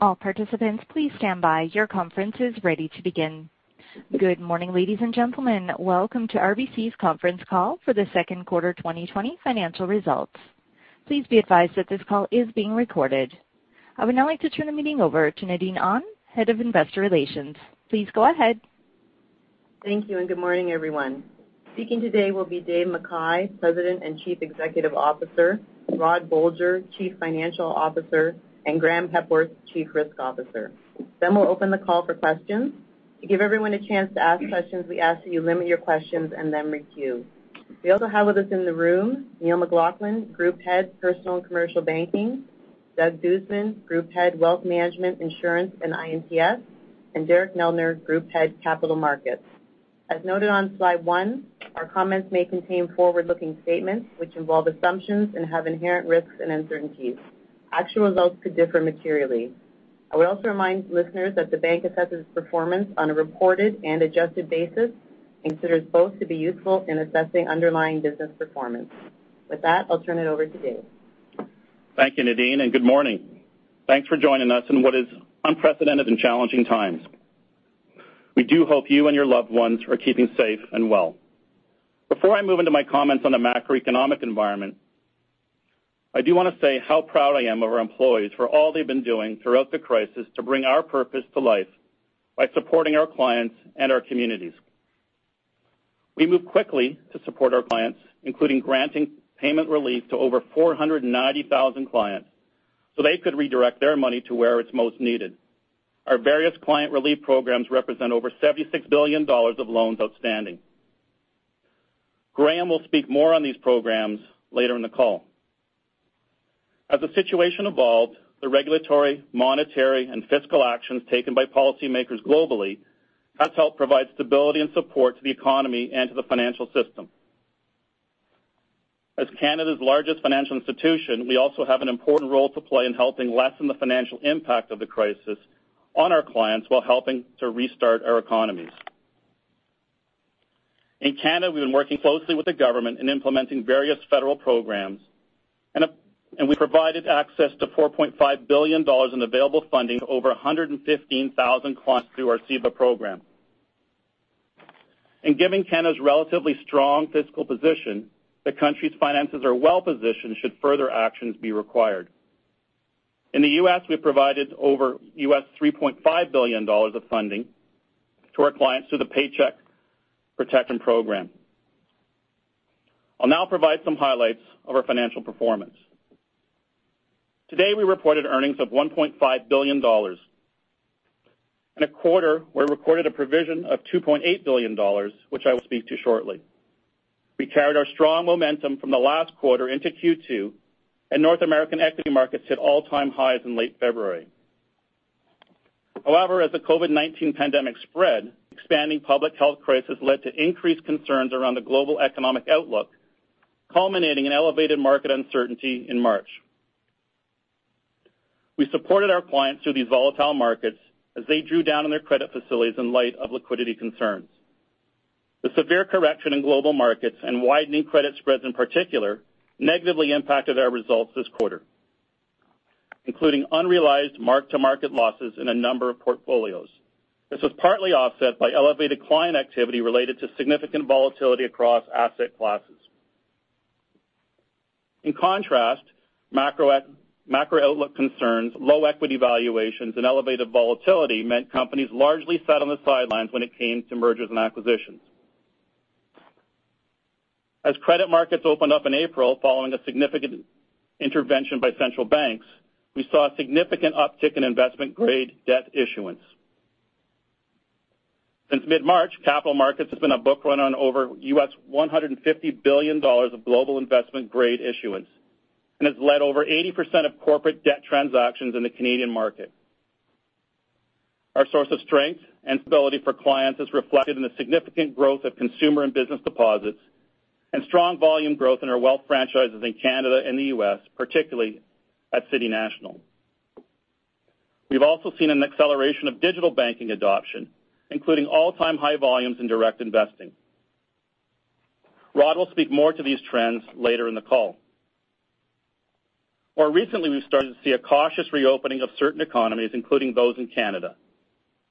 All participants, please stand by. Your conference is ready to begin. Good morning, ladies and gentlemen. Welcome to RBC's Conference Call for the Second Quarter 2020 Financial Results. Please be advised that this call is being recorded. I would now like to turn the meeting over to Nadine Ahn, Head of Investor Relations. Please go ahead. Thank you, and good morning, everyone. Speaking today will be Dave McKay, President and Chief Executive Officer, Rod Bolger, Chief Financial Officer, and Graeme Hepworth, Chief Risk Officer. We'll open the call for questions. To give everyone a chance to ask questions, we ask that you limit your questions and then queue. We also have with us in the room Neil McLaughlin, Group Head, Personal and Commercial Banking, Doug Guzman, Group Head, Wealth Management, Insurance, and I&TS, and Derek Neldner, Group Head, Capital Markets. As noted on slide one, our comments may contain forward-looking statements, which involve assumptions and have inherent risks and uncertainties. Actual results could differ materially. I would also remind listeners that the bank assesses performance on a reported and adjusted basis, considers both to be useful in assessing underlying business performance. With that, I'll turn it over to Dave. Thank you, Nadine, and good morning. Thanks for joining us in what is unprecedented and challenging times. We do hope you and your loved ones are keeping safe and well. Before I move into my comments on the macroeconomic environment, I do want to say how proud I am of our employees for all they've been doing throughout the crisis to bring our purpose to life by supporting our clients and our communities. We moved quickly to support our clients, including granting payment relief to over 490,000 clients so they could redirect their money to where it's most needed. Our various client relief programs represent over 76 billion dollars of loans outstanding. Graeme will speak more on these programs later in the call. As the situation evolved, the regulatory, monetary, and fiscal actions taken by policymakers globally has helped provide stability and support to the economy and to the financial system. As Canada's largest financial institution, we also have an important role to play in helping lessen the financial impact of the crisis on our clients while helping to restart our economies. In Canada, we've been working closely with the government in implementing various federal programs. We provided access to 4.5 billion dollars in available funding to over 115,000 clients through our CEBA Program. Given Canada's relatively strong fiscal position, the country's finances are well-positioned should further actions be required. In the U.S., we provided over $3.5 billion of funding to our clients through the Paycheck Protection Program. I'll now provide some highlights of our financial performance. Today, we reported earnings of 1.5 billion dollars in a quarter where we recorded a provision of 2.8 billion dollars, which I will speak to shortly. We carried our strong momentum from the last quarter into Q2, and North American equity markets hit all-time highs in late February. However, as the COVID-19 pandemic spread, expanding public health crisis led to increased concerns around the global economic outlook, culminating in elevated market uncertainty in March. We supported our clients through these volatile markets as they drew down on their credit facilities in light of liquidity concerns. The severe correction in global markets and widening credit spreads in particular, negatively impacted our results this quarter, including unrealized mark-to-market losses in a number of portfolios. This was partly offset by elevated client activity related to significant volatility across asset classes. In contrast, macro outlook concerns, low equity valuations, and elevated volatility meant companies largely sat on the sidelines when it came to mergers and acquisitions. As credit markets opened up in April following a significant intervention by central banks, we saw a significant uptick in investment-grade debt issuance. Since mid-March, Capital Markets has been a bookrunner on over $150 billion of global investment-grade issuance and has led over 80% of corporate debt transactions in the Canadian market. Our source of strength and stability for clients is reflected in the significant growth of consumer and business deposits and strong volume growth in our wealth franchises in Canada and the U.S., particularly at City National. We've also seen an acceleration of digital banking adoption, including all-time high volumes in direct investing. Rod will speak more to these trends later in the call. More recently, we've started to see a cautious reopening of certain economies, including those in Canada.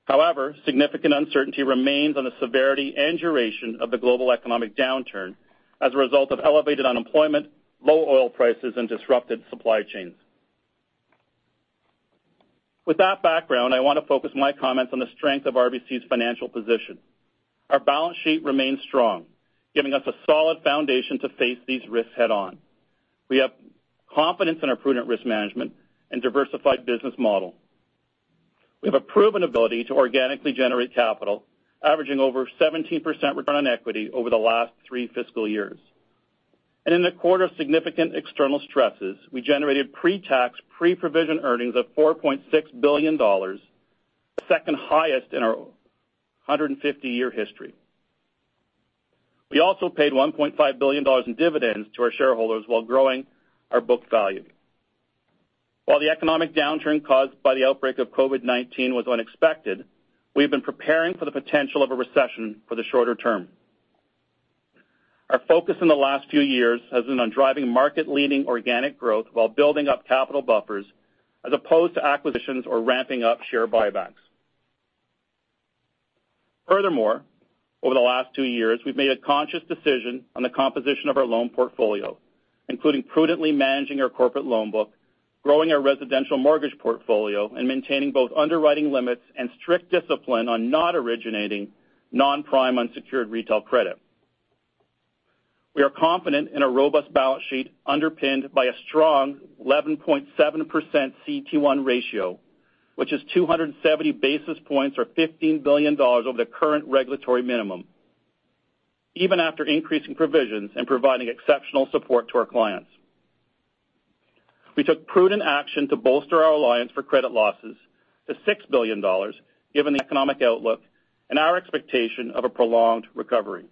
However, significant uncertainty remains on the severity and duration of the global economic downturn as a result of elevated unemployment, low oil prices, and disrupted supply chains. With that background, I want to focus my comments on the strength of RBC's financial position. Our balance sheet remains strong, giving us a solid foundation to face these risks head-on. We have confidence in our prudent risk management and diversified business model. We have a proven ability to organically generate capital, averaging over 17% return on equity over the last three fiscal years. In a quarter of significant external stresses, we generated pre-tax, pre-provision earnings of 4.6 billion dollars, the second highest in our 150-year history. We also paid 1.5 billion dollars in dividends to our shareholders while growing our book value. While the economic downturn caused by the outbreak of COVID-19 was unexpected, we have been preparing for the potential of a recession for the shorter term. Our focus in the last few years has been on driving market-leading organic growth while building up capital buffers, as opposed to acquisitions or ramping up share buybacks. Furthermore, over the last two years, we've made a conscious decision on the composition of our loan portfolio, including prudently managing our corporate loan book, growing our residential mortgage portfolio, and maintaining both underwriting limits and strict discipline on not originating non-prime unsecured retail credit. We are confident in a robust balance sheet underpinned by a strong 11.7% CET1 ratio, which is 270 basis points, or 15 billion dollars over the current regulatory minimum, even after increasing provisions and providing exceptional support to our clients. We took prudent action to bolster our allowance for credit losses to 6 billion dollars, given the economic outlook and our expectation of a prolonged recovery.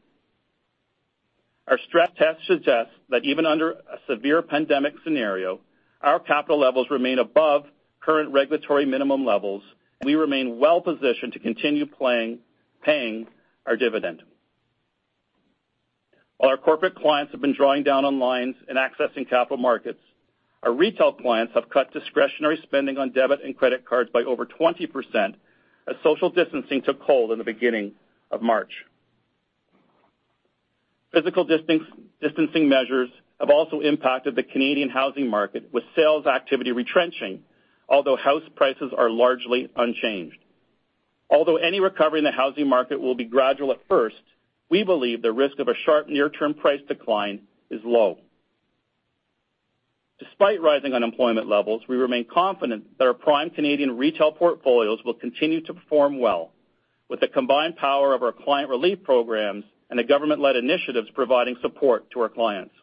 Our stress test suggests that even under a severe pandemic scenario, our capital levels remain above current regulatory minimum levels, and we remain well-positioned to continue paying our dividend. While our corporate clients have been drawing down on lines and accessing capital markets, our retail clients have cut discretionary spending on debit and credit cards by over 20% as social distancing took hold in the beginning of March. Physical distancing measures have also impacted the Canadian housing market, with sales activity retrenching, although house prices are largely unchanged. Although any recovery in the housing market will be gradual at first, we believe the risk of a sharp near-term price decline is low. Despite rising unemployment levels, we remain confident that our prime Canadian retail portfolios will continue to perform well with the combined power of our client relief programs and the government-led initiatives providing support to our clients.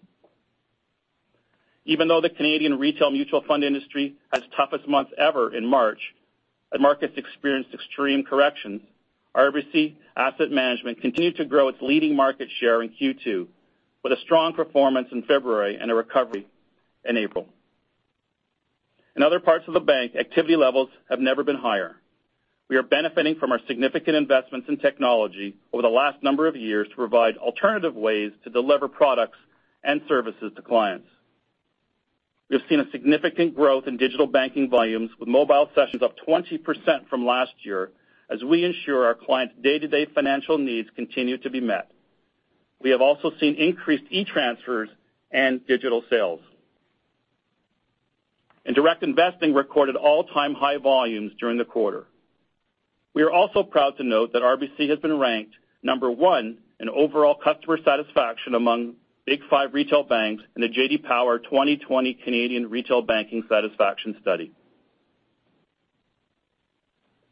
Even though the Canadian retail mutual fund industry has the toughest month ever in March as markets experienced extreme corrections, RBC Asset Management continued to grow its leading market share in Q2, with a strong performance in February and a recovery in April. In other parts of the bank, activity levels have never been higher. We are benefiting from our significant investments in technology over the last number of years to provide alternative ways to deliver products and services to clients. We have seen a significant growth in digital banking volumes, with mobile sessions up 20% from last year, as we ensure our clients' day-to-day financial needs continue to be met. We have also seen increased e-transfers and digital sales. Direct investing recorded all-time high volumes during the quarter. We are also proud to note that RBC has been ranked number one in overall customer satisfaction among big five retail banks in the J.D. Power 2020 Canada Retail Banking Satisfaction Study.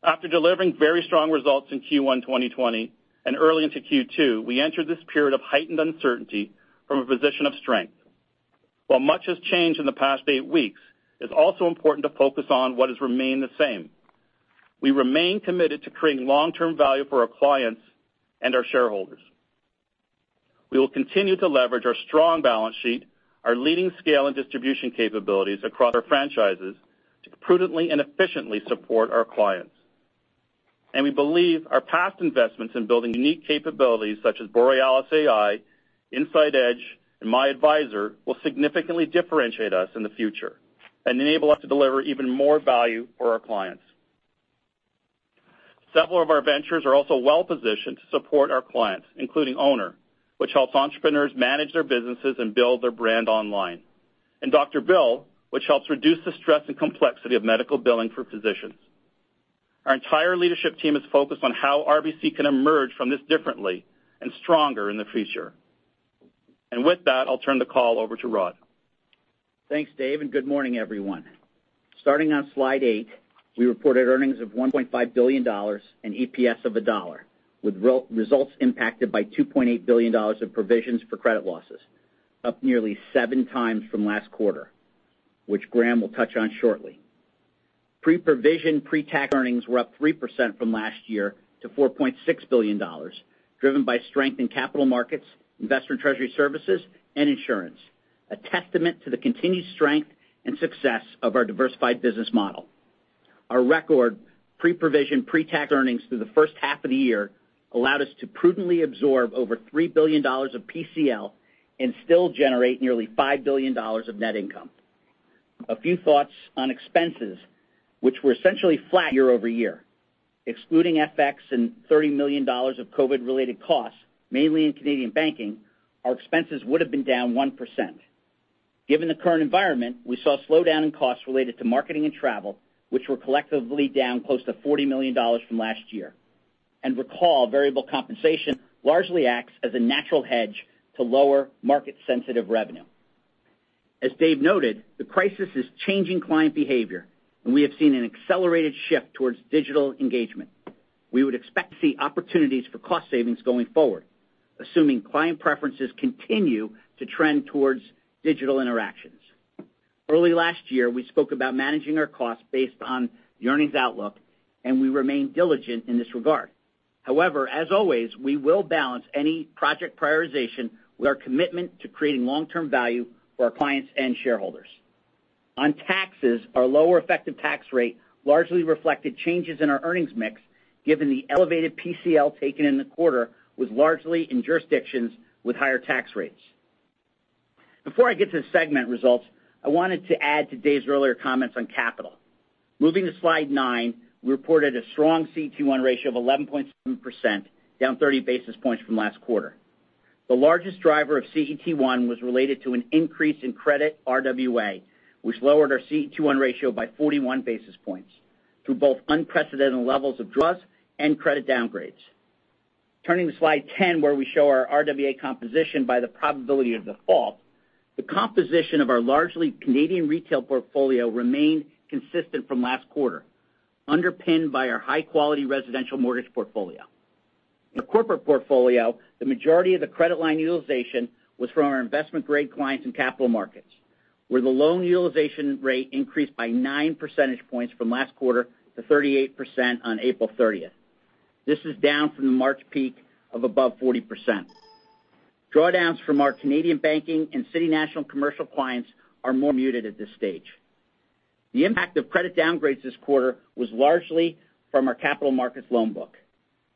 After delivering very strong results in Q1 2020 and early into Q2, we entered this period of heightened uncertainty from a position of strength. While much has changed in the past eight weeks, it's also important to focus on what has remained the same. We remain committed to creating long-term value for our clients and our shareholders. We will continue to leverage our strong balance sheet, our leading scale and distribution capabilities across our franchises to prudently and efficiently support our clients. We believe our past investments in building unique capabilities such as Borealis AI, InsightEdge, and MyAdvisor will significantly differentiate us in the future and enable us to deliver even more value for our clients. Several of our ventures are also well-positioned to support our clients, including Ownr, which helps entrepreneurs manage their businesses and build their brand online. Dr.Bill, which helps reduce the stress and complexity of medical billing for physicians. Our entire leadership team is focused on how RBC can emerge from this differently and stronger in the future. With that, I'll turn the call over to Rod. Thanks, Dave, and good morning, everyone. Starting on slide eight, we reported earnings of 1.5 billion dollars and EPS of CAD 1, with results impacted by 2.8 billion dollars of provisions for credit losses, up nearly seven times from last quarter, which Graeme will touch on shortly. Pre-provision, pre-tax earnings were up 3% from last year to 4.6 billion dollars, driven by strength in Capital Markets, Investor & Treasury Services, and insurance, a testament to the continued strength and success of our diversified business model. Our record pre-provision, pre-tax earnings through the first half of the year allowed us to prudently absorb over 3 billion dollars of PCL and still generate nearly 5 billion dollars of net income. A few thoughts on expenses, which were essentially flat year-over-year. Excluding FX and 30 million dollars of COVID-related costs, mainly in Canadian banking, our expenses would have been down 1%. Given the current environment, we saw a slowdown in costs related to marketing and travel, which were collectively down close to 40 million dollars from last year. Recall, variable compensation largely acts as a natural hedge to lower market-sensitive revenue. As Dave noted, the crisis is changing client behavior, and we have seen an accelerated shift towards digital engagement. We would expect to see opportunities for cost savings going forward, assuming client preferences continue to trend towards digital interactions. Early last year, we spoke about managing our costs based on the earnings outlook, and we remain diligent in this regard. However, as always, we will balance any project prioritization with our commitment to creating long-term value for our clients and shareholders. On taxes, our lower effective tax rate largely reflected changes in our earnings mix, given the elevated PCL taken in the quarter, was largely in jurisdictions with higher tax rates. Before I get to the segment results, I wanted to add to Dave's earlier comments on capital. Moving to Slide 9, we reported a strong CET1 ratio of 11.7%, down 30 basis points from last quarter. The largest driver of CET1 was related to an increase in credit RWA, which lowered our CET1 ratio by 41 basis points, through both unprecedented levels of draws and credit downgrades. Turning to Slide 10, where we show our RWA composition by the probability of default. The composition of our largely Canadian retail portfolio remained consistent from last quarter, underpinned by our high-quality residential mortgage portfolio. In the corporate portfolio, the majority of the credit line utilization was from our investment-grade clients in capital markets, where the loan utilization rate increased by 9 percentage points from last quarter to 38% on April 30th. This is down from the March peak of above 40%. Drawdowns from our Canadian banking and City National commercial clients are more muted at this stage. The impact of credit downgrades this quarter was largely from our capital markets loan book.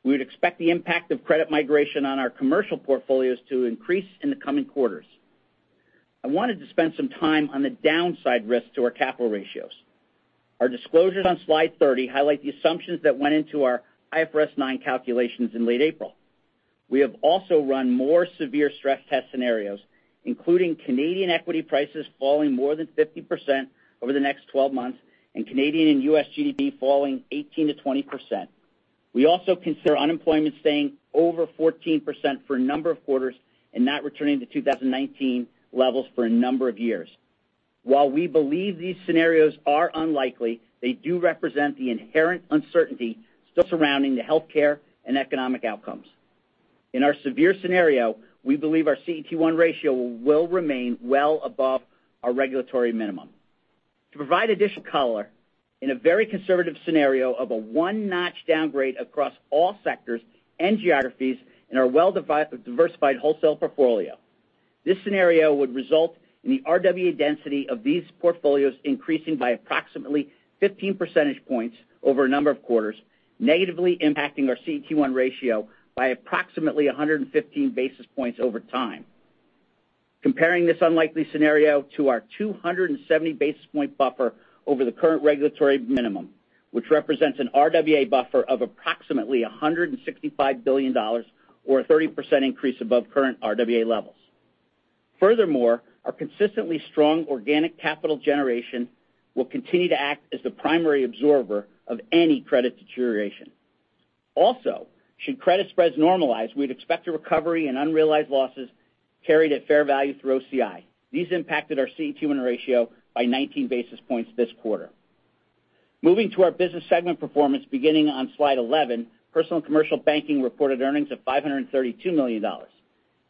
We would expect the impact of credit migration on our commercial portfolios to increase in the coming quarters. I wanted to spend some time on the downside risks to our capital ratios. Our disclosures on Slide 30 highlight the assumptions that went into our IFRS 9 calculations in late April. We have also run more severe stress test scenarios, including Canadian equity prices falling more than 50% over the next 12 months, and Canadian and U.S. GDP falling 18%-20%. We also consider unemployment staying over 14% for a number of quarters and not returning to 2019 levels for a number of years. While we believe these scenarios are unlikely, they do represent the inherent uncertainty still surrounding the healthcare and economic outcomes. In our severe scenario, we believe our CET1 ratio will remain well above our regulatory minimum. To provide additional color, in a very conservative scenario of a 1-notch downgrade across all sectors and geographies in our well-diversified wholesale portfolio. This scenario would result in the RWA density of these portfolios increasing by approximately 15 percentage points over a number of quarters, negatively impacting our CET1 ratio by approximately 115 basis points over time. Comparing this unlikely scenario to our 270 basis point buffer over the current regulatory minimum, which represents an RWA buffer of approximately 165 billion dollars, or a 30% increase above current RWA levels. Furthermore, our consistently strong organic capital generation will continue to act as the primary absorber of any credit deterioration. Also, should credit spreads normalize, we'd expect a recovery in unrealized losses carried at fair value through OCI. These impacted our CET1 ratio by 19 basis points this quarter. Moving to our business segment performance beginning on Slide 11, Personal and Commercial Banking reported earnings of 532 million Canadian dollars.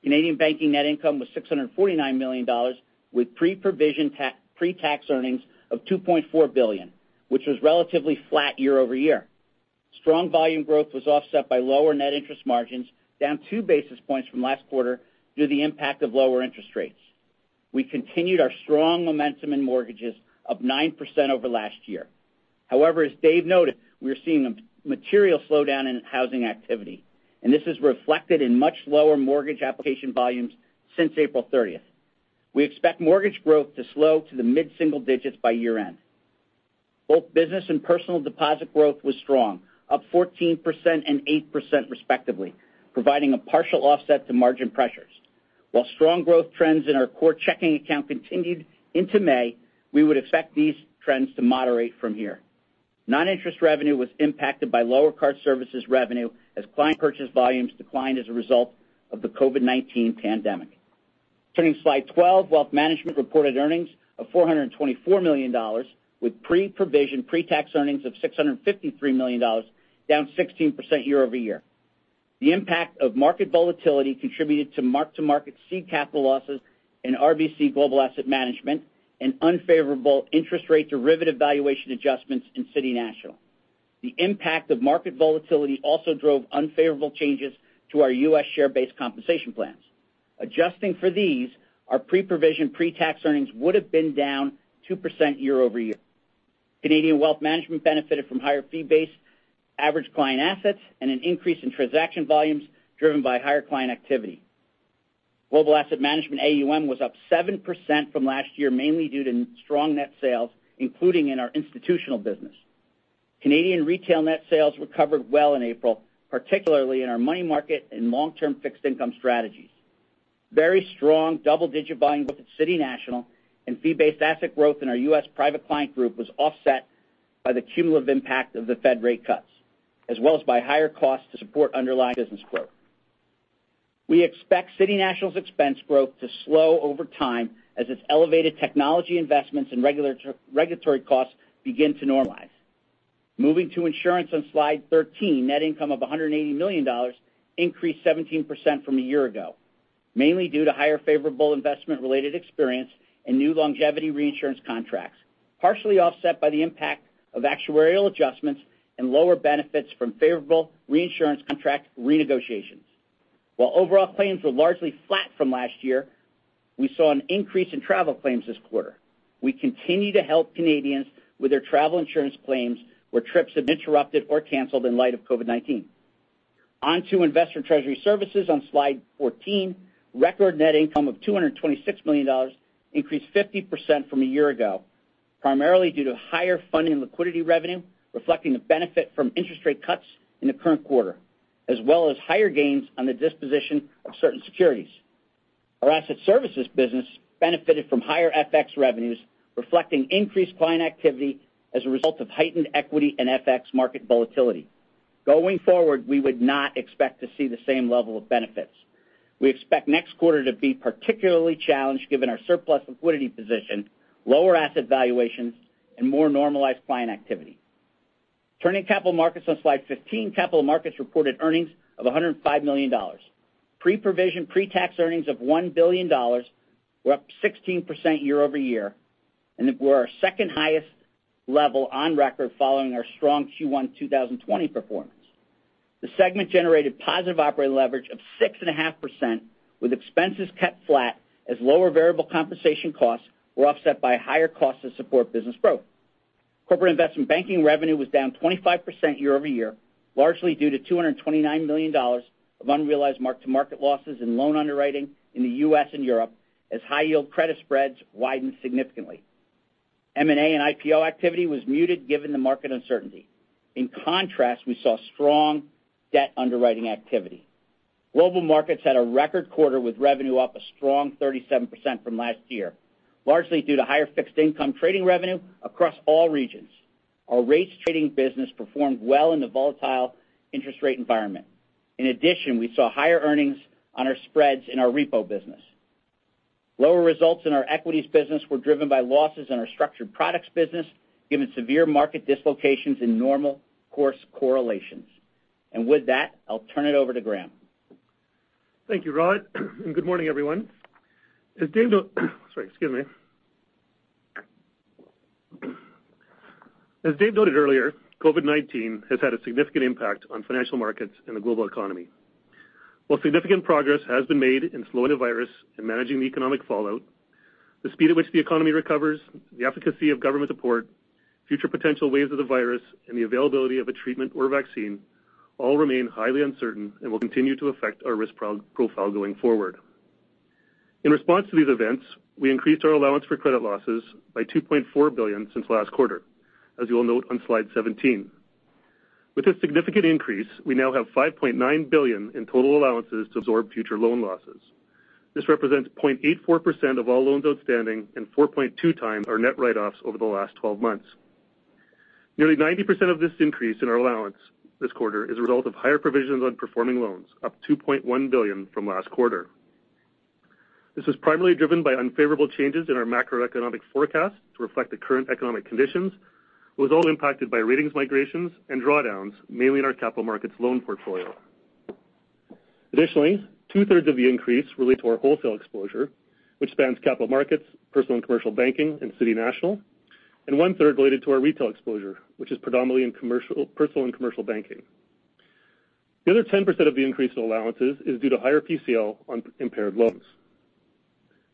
Canadian banking net income was 649 million dollars, with pre-provision, pre-tax earnings of 2.4 billion, which was relatively flat year-over-year. Strong volume growth was offset by lower net interest margins, down 2 basis points from last quarter due to the impact of lower interest rates. We continued our strong momentum in mortgages, up 9% over last year. However, as Dave noted, we are seeing a material slowdown in housing activity, and this is reflected in much lower mortgage application volumes since April 30th. We expect mortgage growth to slow to the mid-single digits by year-end. Both business and personal deposit growth was strong, up 14% and 8% respectively, providing a partial offset to margin pressures. While strong growth trends in our core checking account continued into May, we would expect these trends to moderate from here. Non-interest revenue was impacted by lower card services revenue as client purchase volumes declined as a result of the COVID-19 pandemic. Turning to Slide 12, Wealth Management reported earnings of 424 million dollars, with pre-provision, pre-tax earnings of 653 million dollars, down 16% year-over-year. The impact of market volatility contributed to mark-to-market seed capital losses in RBC Global Asset Management and unfavorable interest rate derivative valuation adjustments in City National. The impact of market volatility also drove unfavorable changes to our U.S. share-based compensation plans. Adjusting for these, our pre-provision, pre-tax earnings would have been down 2% year-over-year. Canadian wealth management benefited from higher fee-based average client assets and an increase in transaction volumes driven by higher client activity. Global Asset Management AUM was up 7% from last year, mainly due to strong net sales, including in our institutional business. Canadian retail net sales recovered well in April, particularly in our money market and long-term fixed income strategies. Very strong double-digit volume growth at City National and fee-based asset growth in our U.S. Private Client Group was offset by the cumulative impact of the Fed rate cuts, as well as by higher costs to support underlying business growth. We expect City National's expense growth to slow over time as its elevated technology investments and regulatory costs begin to normalize. Moving to Insurance on Slide 13, net income of 180 million dollars increased 17% from a year ago, mainly due to higher favorable investment-related experience and new longevity reinsurance contracts, partially offset by the impact of actuarial adjustments and lower benefits from favorable reinsurance contract renegotiations. While overall claims were largely flat from last year, we saw an increase in travel claims this quarter. We continue to help Canadians with their travel insurance claims where trips have been interrupted or canceled in light of COVID-19. Onto Investor & Treasury Services on Slide 14, record net income of 226 million dollars increased 50% from a year ago, primarily due to higher funding liquidity revenue, reflecting the benefit from interest rate cuts in the current quarter, as well as higher gains on the disposition of certain securities. Our asset services business benefited from higher FX revenues, reflecting increased client activity as a result of heightened equity and FX market volatility. Going forward, we would not expect to see the same level of benefits. We expect next quarter to be particularly challenged given our surplus liquidity position, lower asset valuations, and more normalized client activity. Turning to Capital Markets on slide 15, Capital Markets reported earnings of 105 million dollars. Pre-provision, pre-tax earnings of 1 billion dollars were up 16% year-over-year, and were our second highest level on record following our strong Q1 2020 performance. The segment generated positive operating leverage of 6.5%, with expenses kept flat as lower variable compensation costs were offset by higher costs to support business growth. Corporate investment banking revenue was down 25% year-over-year, largely due to 229 million dollars of unrealized mark-to-market losses in loan underwriting in the U.S. and Europe, as high yield credit spreads widened significantly. M&A and IPO activity was muted given the market uncertainty. In contrast, we saw strong debt underwriting activity. Global markets had a record quarter with revenue up a strong 37% from last year, largely due to higher fixed income trading revenue across all regions. Our rates trading business performed well in the volatile interest rate environment. In addition, we saw higher earnings on our spreads in our repo business. Lower results in our equities business were driven by losses in our structured products business, given severe market dislocations in normal course correlations. With that, I'll turn it over to Graeme. Thank you, Rod, and good morning, everyone. As Dave noted earlier, COVID-19 has had a significant impact on financial markets and the global economy. While significant progress has been made in slowing the virus and managing the economic fallout, the speed at which the economy recovers, the efficacy of government support, future potential waves of the virus, and the availability of a treatment or vaccine all remain highly uncertain and will continue to affect our risk profile going forward. In response to these events, we increased our allowance for credit losses by 2.4 billion since last quarter, as you will note on slide 17. With this significant increase, we now have 5.9 billion in total allowances to absorb future loan losses. This represents 0.84% of all loans outstanding and 4.2 times our net write-offs over the last 12 months. Nearly 90% of this increase in our allowance this quarter is a result of higher provisions on performing loans, up 2.1 billion from last quarter. This was primarily driven by unfavorable changes in our macroeconomic forecast to reflect the current economic conditions, was all impacted by ratings migrations and drawdowns, mainly in our capital markets loan portfolio. Two-thirds of the increase relate to our wholesale exposure, which spans Capital Markets, Personal and Commercial Banking, and City National, and one-third related to our retail exposure, which is predominantly in personal and commercial banking. The other 10% of the increase in allowances is due to higher PCL on impaired loans.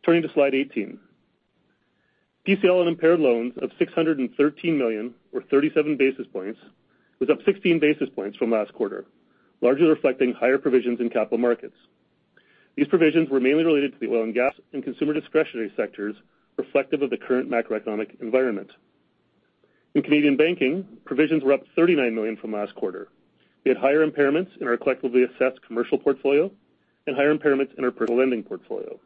Turning to slide 18. PCL on impaired loans of 613 million or 37 basis points was up 16 basis points from last quarter, largely reflecting higher provisions in capital markets. These provisions were mainly related to the oil and gas and consumer discretionary sectors, reflective of the current macroeconomic environment. In Canadian Banking, provisions were up 39 million from last quarter. We had higher impairments in our collectively assessed commercial portfolio and higher impairments in our personal lending portfolio.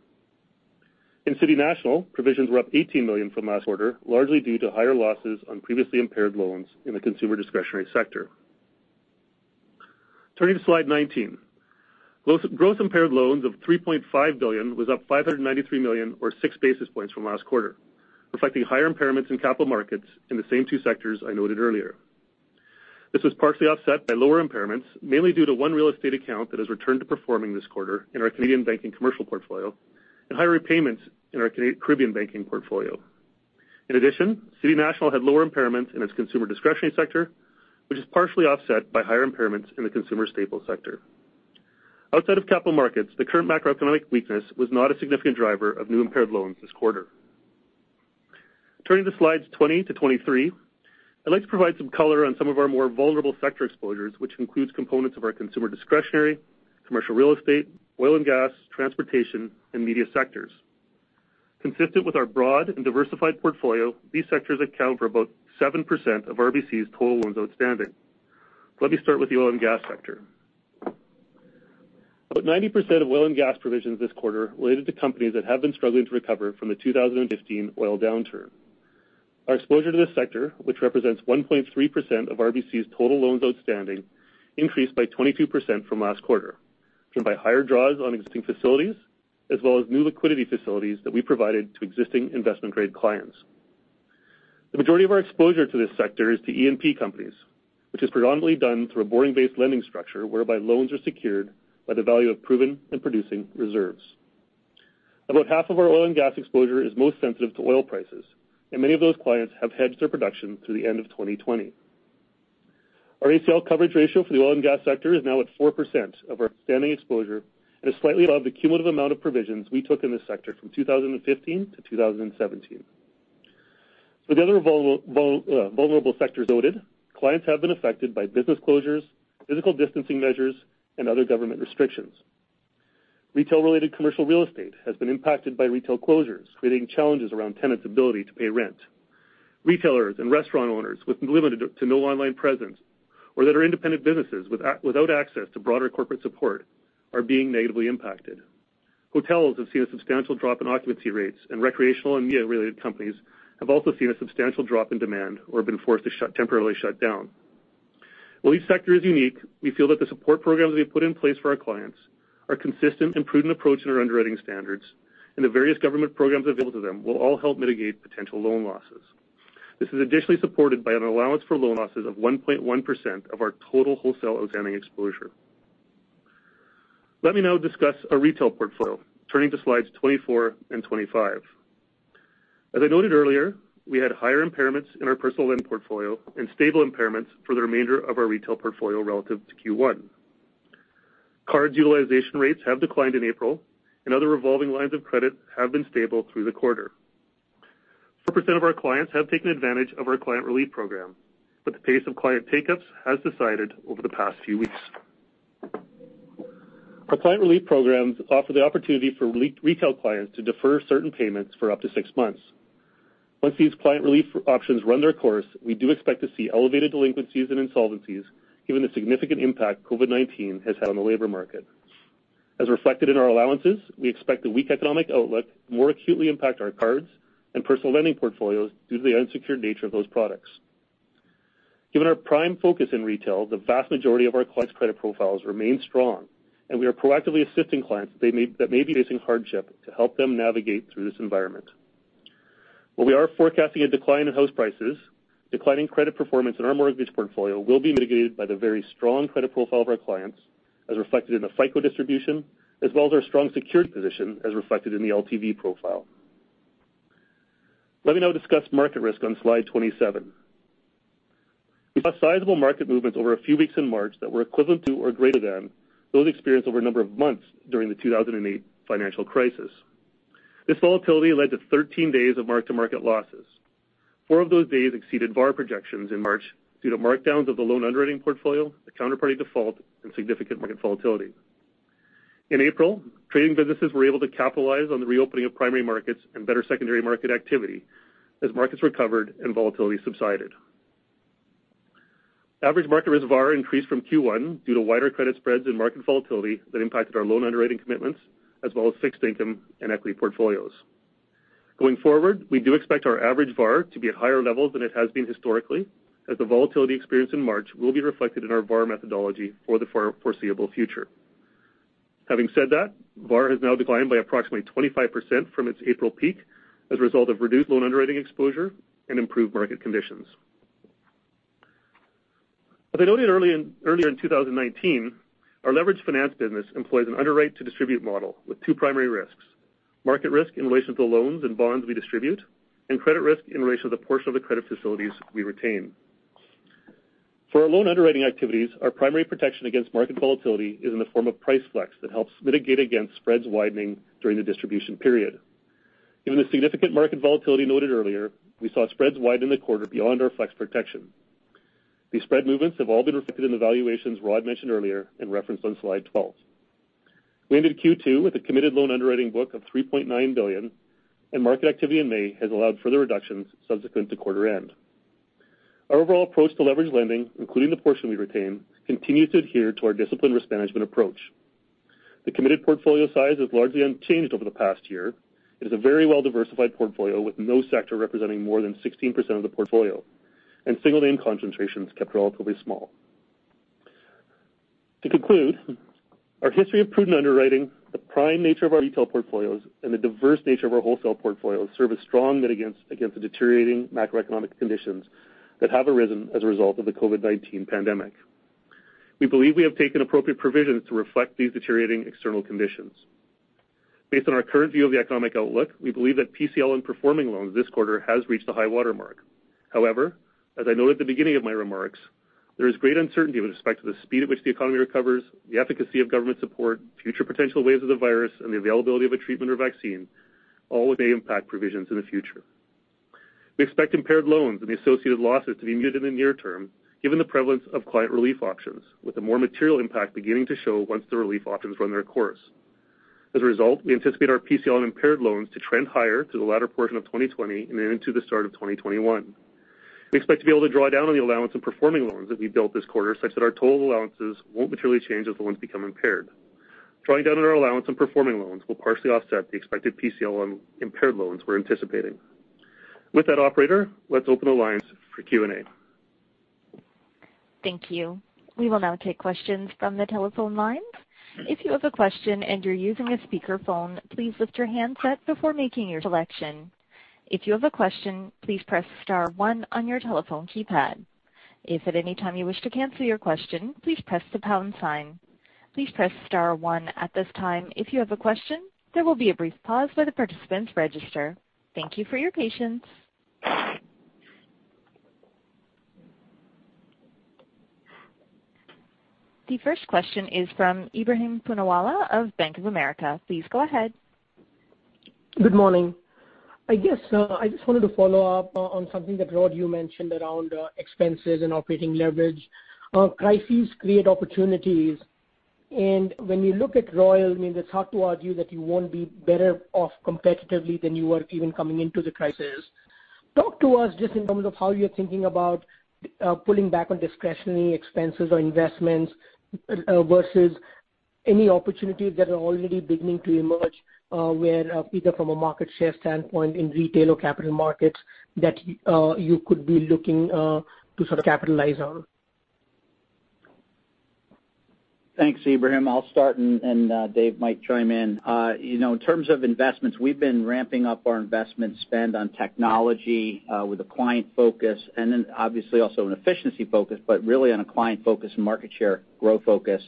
In City National, provisions were up 18 million from last quarter, largely due to higher losses on previously impaired loans in the consumer discretionary sector. Turning to slide 19. Gross impaired loans of 3.5 billion was up 593 million or 6 basis points from last quarter, reflecting higher impairments in capital markets in the same two sectors I noted earlier. This was partially offset by lower impairments, mainly due to one real estate account that has returned to performing this quarter in our Canadian Banking commercial portfolio and higher repayments in our Caribbean banking portfolio. In addition, City National had lower impairments in its consumer discretionary sector, which is partially offset by higher impairments in the consumer staples sector. Outside of capital markets, the current macroeconomic weakness was not a significant driver of new impaired loans this quarter. Turning to slides 20 to 23, I'd like to provide some color on some of our more vulnerable sector exposures, which includes components of our consumer discretionary, commercial real estate, oil and gas, transportation, and media sectors. Consistent with our broad and diversified portfolio, these sectors account for about 7% of RBC's total loans outstanding. Let me start with the oil and gas sector. About 90% of oil and gas provisions this quarter related to companies that have been struggling to recover from the 2015 oil downturn. Our exposure to this sector, which represents 1.3% of RBC's total loans outstanding, increased by 22% from last quarter, driven by higher draws on existing facilities, as well as new liquidity facilities that we provided to existing investment-grade clients. The majority of our exposure to this sector is to E&P companies, which is predominantly done through a borrowing-based lending structure whereby loans are secured by the value of proven and producing reserves. About half of our oil and gas exposure is most sensitive to oil prices, and many of those clients have hedged their production through the end of 2020. Our ACL coverage ratio for the oil and gas sector is now at 4% of our outstanding exposure and is slightly above the cumulative amount of provisions we took in this sector from 2015 to 2017. For the other vulnerable sectors noted, clients have been affected by business closures, physical distancing measures, and other government restrictions. Retail-related commercial real estate has been impacted by retail closures, creating challenges around tenants' ability to pay rent. Retailers and restaurant owners with limited to no online presence or that are independent businesses without access to broader corporate support are being negatively impacted. Hotels have seen a substantial drop in occupancy rates, and recreational and media-related companies have also seen a substantial drop in demand or have been forced to temporarily shut down. While each sector is unique, we feel that the support programs we've put in place for our clients, our consistent and prudent approach in our underwriting standards, and the various government programs available to them will all help mitigate potential loan losses. This is additionally supported by an allowance for loan losses of 1.1% of our total wholesale outstanding exposure. Let me now discuss our retail portfolio, turning to slides 24 and 25. As I noted earlier, we had higher impairments in our personal loan portfolio and stable impairments for the remainder of our retail portfolio relative to Q1. Cards utilization rates have declined in April, and other revolving lines of credit have been stable through the quarter. 4% of our clients have taken advantage of our client relief program, but the pace of client take-ups has subsided over the past few weeks. Our client relief programs offer the opportunity for retail clients to defer certain payments for up to six months. Once these client relief options run their course, we do expect to see elevated delinquencies and insolvencies given the significant impact COVID-19 has had on the labor market. As reflected in our allowances, we expect the weak economic outlook to more acutely impact our cards and personal lending portfolios due to the unsecured nature of those products. Given our prime focus in retail, the vast majority of our clients' credit profiles remain strong, and we are proactively assisting clients that may be facing hardship to help them navigate through this environment. While we are forecasting a decline in house prices, declining credit performance in our mortgage portfolio will be mitigated by the very strong credit profile of our clients, as reflected in the FICO distribution, as well as our strong security position, as reflected in the LTV profile. Let me now discuss market risk on slide 27. We saw sizable market movements over a few weeks in March that were equivalent to or greater than those experienced over a number of months during the 2008 financial crisis. This volatility led to 13 days of mark-to-market losses. Four of those days exceeded VaR projections in March due to markdowns of the loan underwriting portfolio, the counterparty default, and significant market volatility. In April, trading businesses were able to capitalize on the reopening of primary markets and better secondary market activity as markets recovered and volatility subsided. Average market risk VaR increased from Q1 due to wider credit spreads and market volatility that impacted our loan underwriting commitments, as well as fixed income and equity portfolios. Going forward, we do expect our average VaR to be at higher levels than it has been historically, as the volatility experienced in March will be reflected in our VaR methodology for the foreseeable future. Having said that, VaR has now declined by approximately 25% from its April peak as a result of reduced loan underwriting exposure and improved market conditions. As I noted earlier in 2019, our leveraged finance business employs an underwrite to distribute model with two primary risks, market risk in relation to loans and bonds we distribute, and credit risk in relation to the portion of the credit facilities we retain. For our loan underwriting activities, our primary protection against market volatility is in the form of price flex that helps mitigate against spreads widening during the distribution period. Given the significant market volatility noted earlier, we saw spreads widen in the quarter beyond our flex protection. These spread movements have all been reflected in the valuations Rod mentioned earlier and referenced on slide 12. We ended Q2 with a committed loan underwriting book of 3.9 billion, and market activity in May has allowed further reductions subsequent to quarter end. Our overall approach to leverage lending, including the portion we retain, continues to adhere to our disciplined risk management approach. The committed portfolio size is largely unchanged over the past year. It is a very well-diversified portfolio with no sector representing more than 16% of the portfolio, and single name concentration is kept relatively small. To conclude, our history of prudent underwriting, the prime nature of our retail portfolios, and the diverse nature of our wholesale portfolios serve as strong mitigants against the deteriorating macroeconomic conditions that have arisen as a result of the COVID-19 pandemic. We believe we have taken appropriate provisions to reflect these deteriorating external conditions. Based on our current view of the economic outlook, we believe that PCL on performing loans this quarter has reached a high-water mark. However, as I noted at the beginning of my remarks, there is great uncertainty with respect to the speed at which the economy recovers, the efficacy of government support, future potential waves of the virus, and the availability of a treatment or vaccine, all of which may impact provisions in the future. We expect impaired loans and the associated losses to be muted in the near term given the prevalence of client relief options, with a more material impact beginning to show once the relief options run their course. As a result, we anticipate our PCL on impaired loans to trend higher through the latter portion of 2020 and into the start of 2021. We expect to be able to draw down on the allowance on performing loans that we built this quarter such that our total allowances won't materially change as the loans become impaired. Drawing down on our allowance on performing loans will partially offset the expected PCL on impaired loans we're anticipating. With that, Operator, let's open the lines for Q&A. Thank you. We will now take questions from the telephone lines. If you have a question and you're using a speakerphone, please lift your handset before making your selection. If you have a question, please press star one on your telephone keypad. If at any time you wish to cancel your question, please press the pound sign. Please press star one at this time if you have a question. There will be a brief pause while the participants register. Thank you for your patience. The first question is from Ebrahim Poonawala of Bank of America. Please go ahead. Good morning. I just wanted to follow up on something that, Rod, you mentioned around expenses and operating leverage. Crises create opportunities, and when you look at Royal, it's hard to argue that you won't be better off competitively than you were even coming into the crisis. Talk to us just in terms of how you're thinking about pulling back on discretionary expenses or investments versus any opportunities that are already beginning to emerge, where either from a market share standpoint in retail or capital markets, that you could be looking to sort of capitalize on. Thanks, Ebrahim. I'll start, and Dave might chime in. In terms of investments, we've been ramping up our investment spend on technology with a client focus and then obviously also an efficiency focus, but really on a client focus and market share growth focus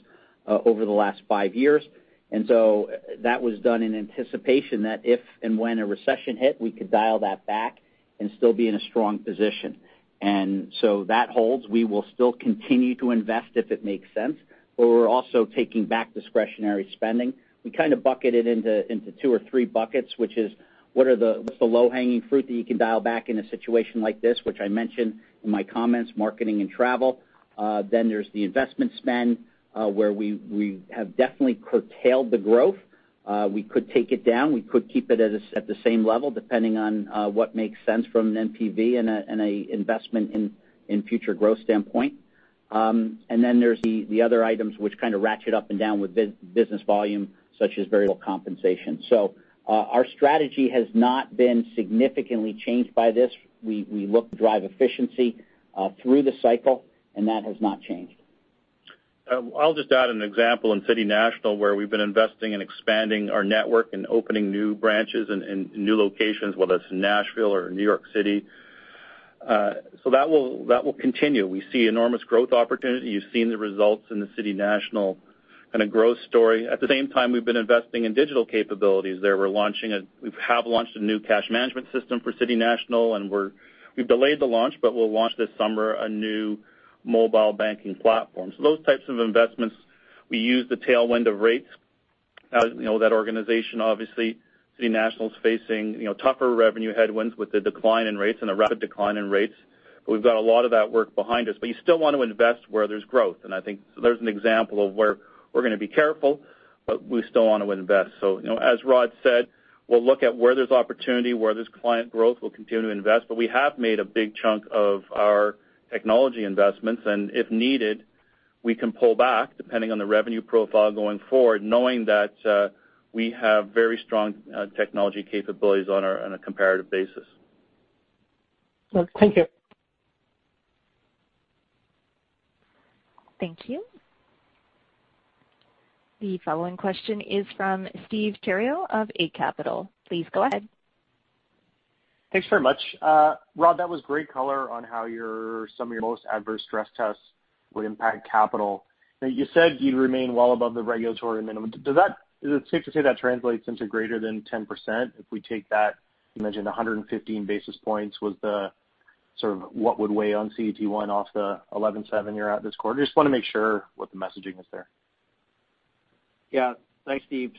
over the last five years. That was done in anticipation that if and when a recession hit, we could dial that back and still be in a strong position. That holds. We will still continue to invest if it makes sense, but we're also taking back discretionary spending. We kind of bucket it into two or three buckets, which is what's the low-hanging fruit that you can dial back in a situation like this, which I mentioned in my comments, marketing and travel. There's the investment spend, where we have definitely curtailed the growth. We could take it down. We could keep it at the same level, depending on what makes sense from an NPV and a investment in future growth standpoint. There's the other items which kind of ratchet up and down with business volume, such as variable compensation. Our strategy has not been significantly changed by this. We look to drive efficiency through the cycle, and that has not changed. I'll just add an example in City National, where we've been investing in expanding our network and opening new branches and new locations, whether it's in Nashville or New York City. That will continue. We see enormous growth opportunity. You've seen the results in the City National kind of growth story. At the same time, we've been investing in digital capabilities there. We have launched a new cash management system for City National, and we've delayed the launch, but we'll launch this summer a new mobile banking platform. Those types of investments, we use the tailwind of rates. That organization, obviously, City National's facing tougher revenue headwinds with the decline in rates and the rapid decline in rates, but we've got a lot of that work behind us. You still want to invest where there's growth, and I think there's an example of where we're going to be careful, but we still want to invest. As Rod said, we'll look at where there's opportunity, where there's client growth. We'll continue to invest. We have made a big chunk of our technology investments, and if needed, we can pull back, depending on the revenue profile going forward, knowing that we have very strong technology capabilities on a comparative basis. Thank you. Thank you. The following question is from Steve Theriault of Eight Capital. Please go ahead. Thanks very much. Rod, that was great color on how some of your most adverse stress tests would impact capital. You said you'd remain well above the regulatory minimum. Is it safe to say that translates into greater than 10% if we take that, you mentioned 115 basis points was the sort of what would weigh on CET1 off the 11.7 you're at this quarter? Just want to make sure what the messaging is there. Thanks, Steve.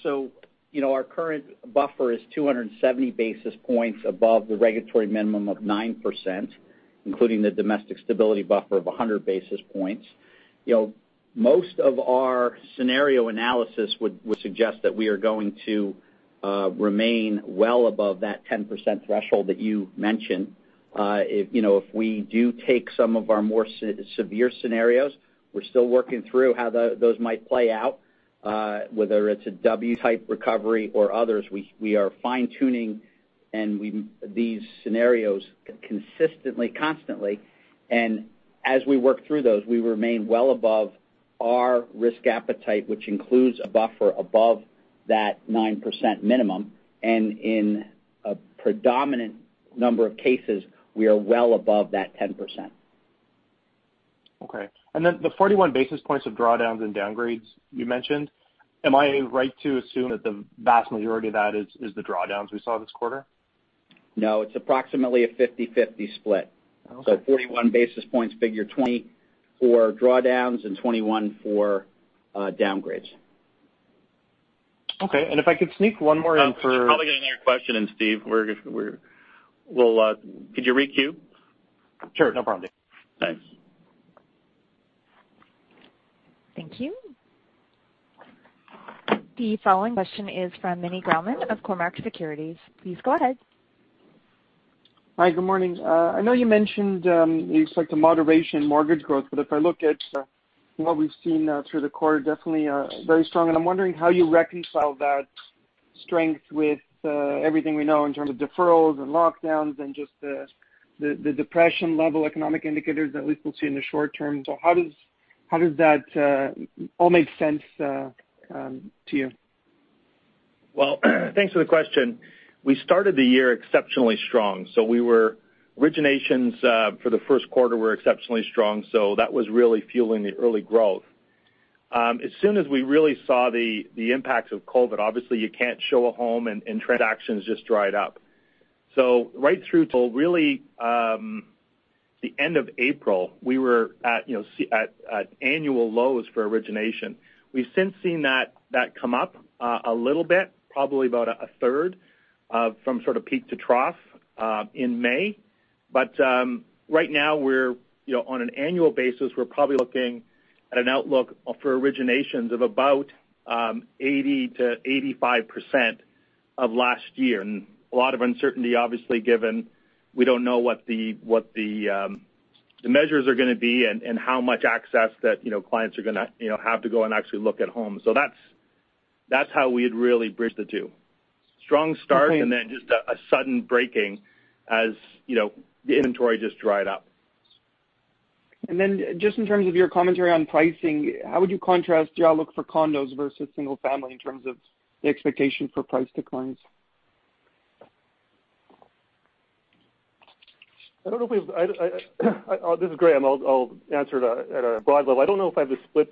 Our current buffer is 270 basis points above the regulatory minimum of 9%, including the Domestic Stability Buffer of 100 basis points. Most of our scenario analysis would suggest that we are going to remain well above that 10% threshold that you mentioned. If we do take some of our more severe scenarios, we're still working through how those might play out whether it's a W type recovery or others. We are fine-tuning these scenarios consistently, constantly, and as we work through those, we remain well above our risk appetite, which includes a buffer above that 9% minimum. In a predominant number of cases, we are well above that 10%. Okay. The 41 basis points of drawdowns and downgrades you mentioned, am I right to assume that the vast majority of that is the drawdowns we saw this quarter? No, it's approximately a 50/50 split. Okay. 41 basis points figure, 20 for drawdowns and 21 for downgrades. Okay, if I could sneak one more in... You should probably get another question in, Steve. Could you re-queue? Sure, no problem. Thanks. Thank you. The following question is from Meny Grauman of Cormark Securities. Please go ahead. Hi. Good morning. I know you mentioned you expect a moderation in mortgage growth, but if I look at what we've seen through the quarter, definitely very strong. I'm wondering how you reconcile that strength with everything we know in terms of deferrals and lockdowns and just the depression-level economic indicators that we still see in the short term. How does that all make sense to you? Well, thanks for the question. We started the year exceptionally strong. Originations for the first quarter were exceptionally strong, so that was really fueling the early growth. As soon as we really saw the impacts of COVID-19, obviously you can't show a home, and transactions just dried up. Right through till really the end of April, we were at annual lows for origination. We've since seen that come up a little bit, probably about a third from sort of peak to trough in May. Right now, on an annual basis, we're probably looking at an outlook for originations of about 80%-85% of last year. A lot of uncertainty, obviously, given we don't know what the measures are going to be and how much access that clients are going to have to go and actually look at homes. That's how we'd really bridge the two. Okay Just a sudden breaking as the inventory just dried up. Just in terms of your commentary on pricing, how would you contrast your outlook for condos versus single family in terms of the expectation for price declines? This is Graeme. I'll answer it at a broad level. I don't know if I have the split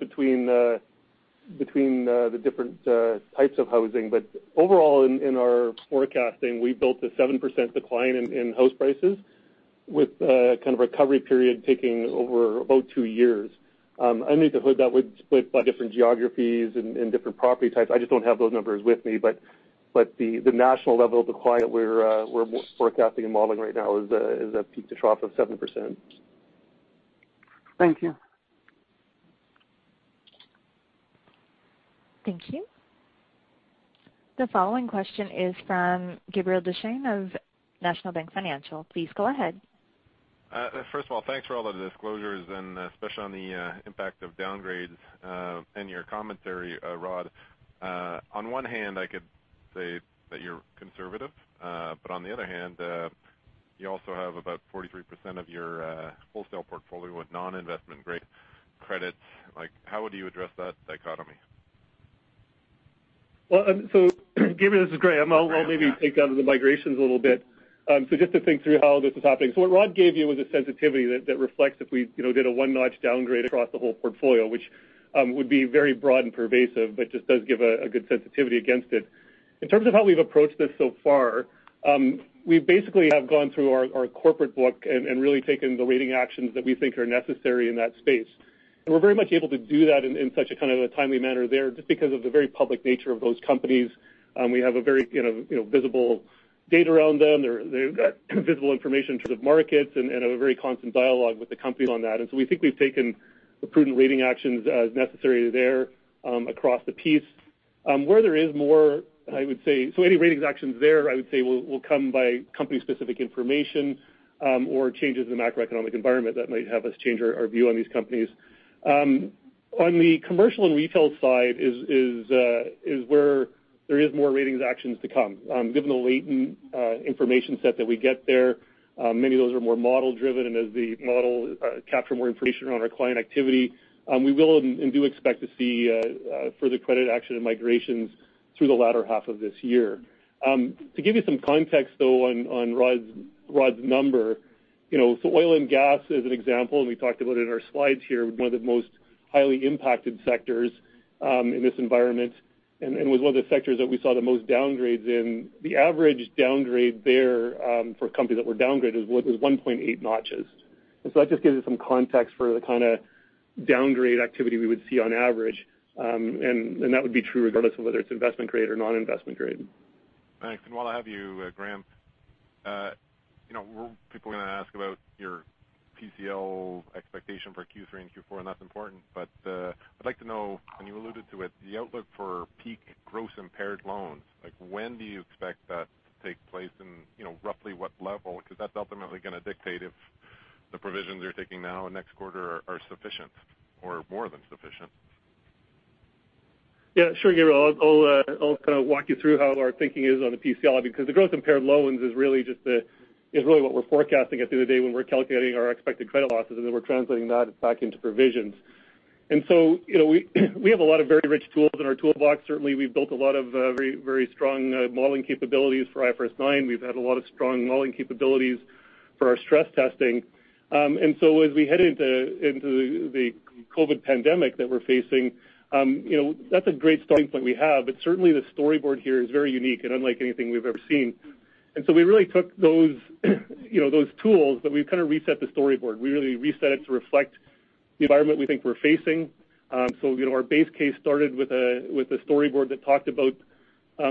between the different types of housing, but overall in our forecasting, we built a 7% decline in house prices with a kind of recovery period taking over about two years. Underneath the hood, that would split by different geographies and different property types. I just don't have those numbers with me, but the national level decline we're forecasting and modeling right now is a peak to trough of 7%. Thank you. Thank you. The following question is from Gabriel Dechaine of National Bank Financial. Please go ahead. First of all, thanks for all the disclosures, and especially on the impact of downgrades and your commentary, Rod. On one hand, I could say that you're conservative. On the other hand, you also have about 43% of your wholesale portfolio with non-investment-grade credits. How would you address that dichotomy? Gabriel, this is Graeme. I'll maybe take on the migrations a little bit. Just to think through how this is happening. What Rod gave you was a sensitivity that reflects if we did a 1-notch downgrade across the whole portfolio, which would be very broad and pervasive, but just does give a good sensitivity against it. In terms of how we've approached this so far, we basically have gone through our corporate book and really taken the rating actions that we think are necessary in that space. We're very much able to do that in such a kind of a timely manner there, just because of the very public nature of those companies. We have a very visible data around them. They've got visible information in terms of markets and have a very constant dialogue with the companies on that. We think we've taken the prudent rating actions as necessary there across the piece. Where there is more. Any ratings actions there, I would say, will come by company-specific information or changes in the macroeconomic environment that might have us change our view on these companies. On the commercial and retail side is where there is more ratings actions to come. Given the latent information set that we get there, many of those are more model-driven. As the model capture more information around our client activity, we will and do expect to see further credit action and migrations through the latter half of this year. To give you some context, though, on Rod's number. Oil and gas as an example, and we talked about it in our slides here, one of the most highly impacted sectors in this environment, and was one of the sectors that we saw the most downgrades in. The average downgrade there for companies that were downgraded was 1.8 notches. That just gives you some context for the kind of downgrade activity we would see on average. That would be true regardless of whether it's investment grade or non-investment grade. Thanks. While I have you, Graeme. People are going to ask about your PCL expectation for Q3 and Q4, and that's important. I'd like to know, and you alluded to it, the outlook for peak gross impaired loans. When do you expect that to take place and roughly what level? That's ultimately going to dictate if the provisions you're taking now and next quarter are sufficient or more than sufficient. Yeah. Sure, Gabriel. I'll kind of walk you through how our thinking is on the PCL, because the gross impaired loans is really what we're forecasting at the end of the day when we're calculating our expected credit losses, and then we're translating that back into provisions. We have a lot of very rich tools in our toolbox. Certainly, we've built a lot of very strong modeling capabilities for IFRS 9. We've had a lot of strong modeling capabilities for our stress testing. As we head into the COVID pandemic that we're facing, that's a great starting point we have. Certainly, the storyboard here is very unique and unlike anything we've ever seen. We really took those tools, but we've kind of reset the storyboard. We really reset it to reflect the environment we think we're facing. Our base case started with a storyboard that talked about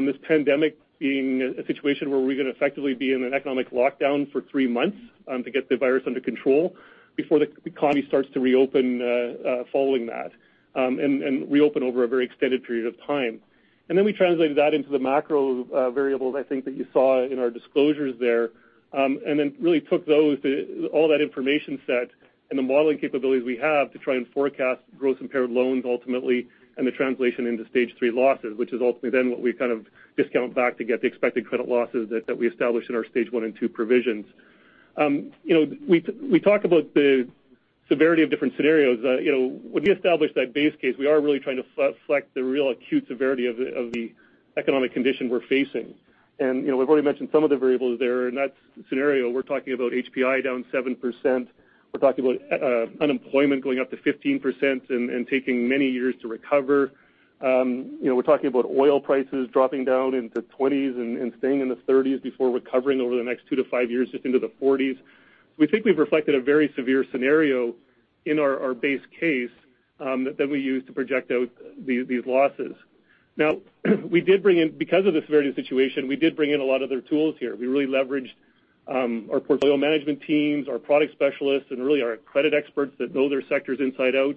this pandemic being a situation where we're going to effectively be in an economic lockdown for three months to get the virus under control before the economy starts to reopen following that. Reopen over a very extended period of time. We translated that into the macro variables, I think that you saw in our disclosures there. Really took all that information set and the modeling capabilities we have to try and forecast gross impaired loans ultimately, and the translation into stage 3 losses, which is ultimately then what we kind of discount back to get the expected credit losses that we established in our stage 1 and 2 provisions. We talk about the severity of different scenarios. When we establish that base case, we are really trying to reflect the real acute severity of the economic condition we're facing. We've already mentioned some of the variables there. In that scenario, we're talking about HPI down 7%. We're talking about unemployment going up to 15% and taking many years to recover. We're talking about oil prices dropping down into 20s and staying in the 30s before recovering over the next two to five years, just into the 40s. We think we've reflected a very severe scenario in our base case that we use to project out these losses. Because of the severity of the situation, we did bring in a lot of other tools here. We really leveraged our portfolio management teams, our product specialists, and really our credit experts that know their sectors inside out.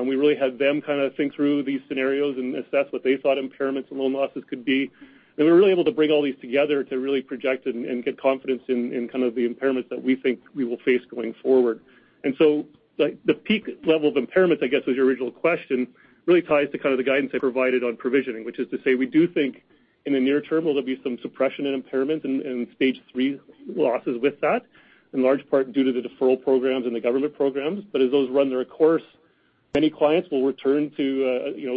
We really had them kind of think through these scenarios and assess what they thought impairments and loan losses could be. We were really able to bring all these together to really project and get confidence in kind of the impairments that we think we will face going forward. The peak level of impairment, I guess, was your original question, really ties to kind of the guidance I provided on provisioning, which is to say we do think in the near term there'll be some suppression and impairment and stage 3 losses with that, in large part due to the deferral programs and the government programs. As those run their course, many clients will return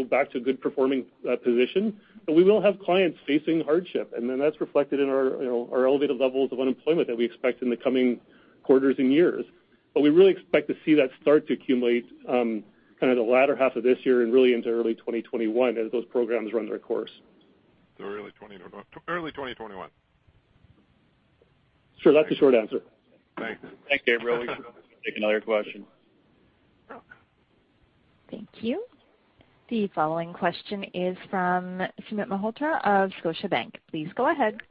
back to a good performing position. We will have clients facing hardship, and then that's reflected in our elevated levels of unemployment that we expect in the coming quarters and years. We really expect to see that start to accumulate kind of the latter half of this year and really into early 2021 as those programs run their course. Early 2021. Sure. That's the short answer. Thanks. Thanks, Gabriel. We can take another question. Thank you. The following question is from Sumit Malhotra of Scotiabank. Please go ahead.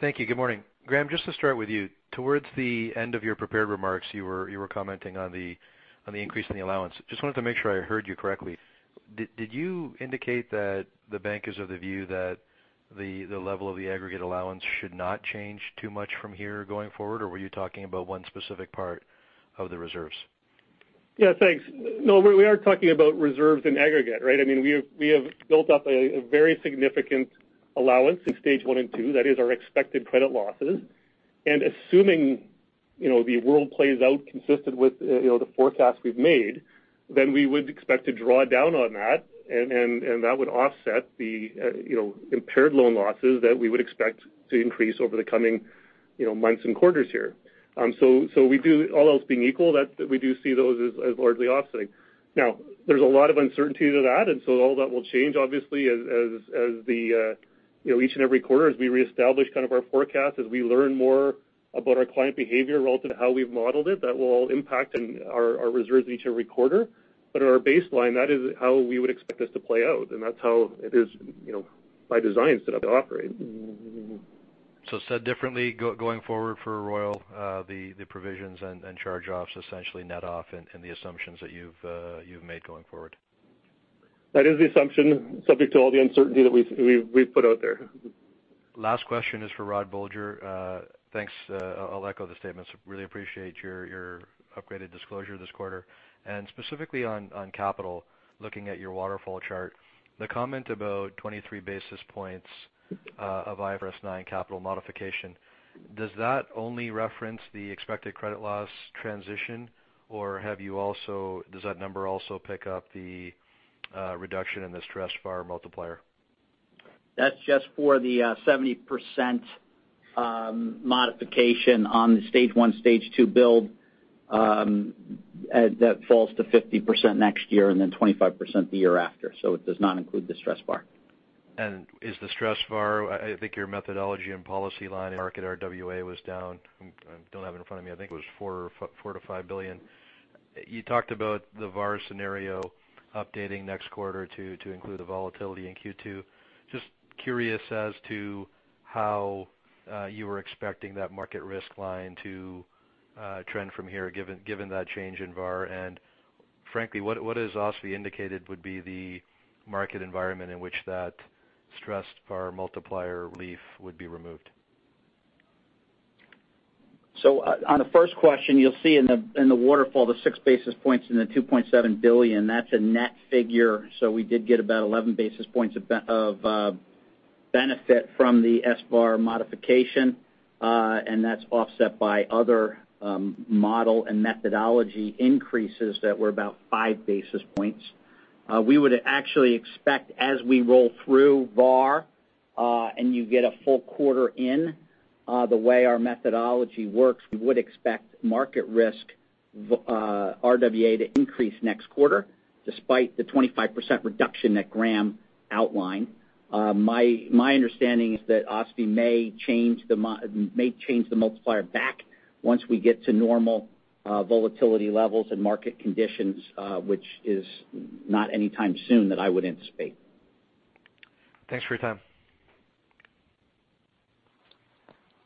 Thank you. Good morning. Graeme, just to start with you, towards the end of your prepared remarks, you were commenting on the increase in the allowance. Just wanted to make sure I heard you correctly. Did you indicate that the bank is of the view that the level of the aggregate allowance should not change too much from here going forward? Or were you talking about one specific part of the reserves? Yeah, thanks. No, we are talking about reserves in aggregate, right? We have built up a very significant allowance in stage 1 and 2. That is our expected credit losses. Assuming the world plays out consistent with the forecast we've made, then we would expect to draw down on that, and that would offset the impaired loan losses that we would expect to increase over the coming months and quarters here. All else being equal, we do see those as largely offsetting. Now, there's a lot of uncertainty to that, all that will change obviously as each and every quarter, as we reestablish kind of our forecast, as we learn more about our client behavior relative to how we've modeled it. That will all impact our reserves each and every quarter. Our baseline, that is how we would expect this to play out, and that's how it is by design set up to operate. Said differently, going forward for Royal, the provisions and charge-offs essentially net off in the assumptions that you've made going forward. That is the assumption, subject to all the uncertainty that we've put out there. Last question is for Rod Bolger. Thanks. I'll echo the statements. Really appreciate your upgraded disclosure this quarter. Specifically on capital, looking at your waterfall chart, the comment about 23 basis points of IFRS 9 capital modification, does that only reference the expected credit loss transition, or does that number also pick up the reduction in the stressed VaR multiplier? That's just for the 70% modification on the stage 1, stage 2 build that falls to 50% next year and then 25% the year after. It does not include the stressed VaR. Is the stressed VaR, I think your methodology and policy line market RWA was down. I don't have it in front of me. I think it was 4 billion-5 billion. You talked about the VaR scenario updating next quarter to include the volatility in Q2. Just curious as to how you were expecting that market risk line to trend from here given that change in VaR. Frankly, what has OSFI indicated would be the market environment in which that stressed VaR multiplier relief would be removed? On the first question, you'll see in the waterfall, the 6 basis points and the 2.7 billion, that's a net figure. We did get about 11 basis points of benefit from the stressed VaR modification. That's offset by other model and methodology increases that were about five basis points. We would actually expect as we roll through VaR, and you get a full quarter in, the way our methodology works, we would expect market risk RWA to increase next quarter despite the 25% reduction that Graeme outlined. My understanding is that OSFI may change the multiplier back once we get to normal volatility levels and market conditions, which is not anytime soon that I would anticipate. Thanks for your time.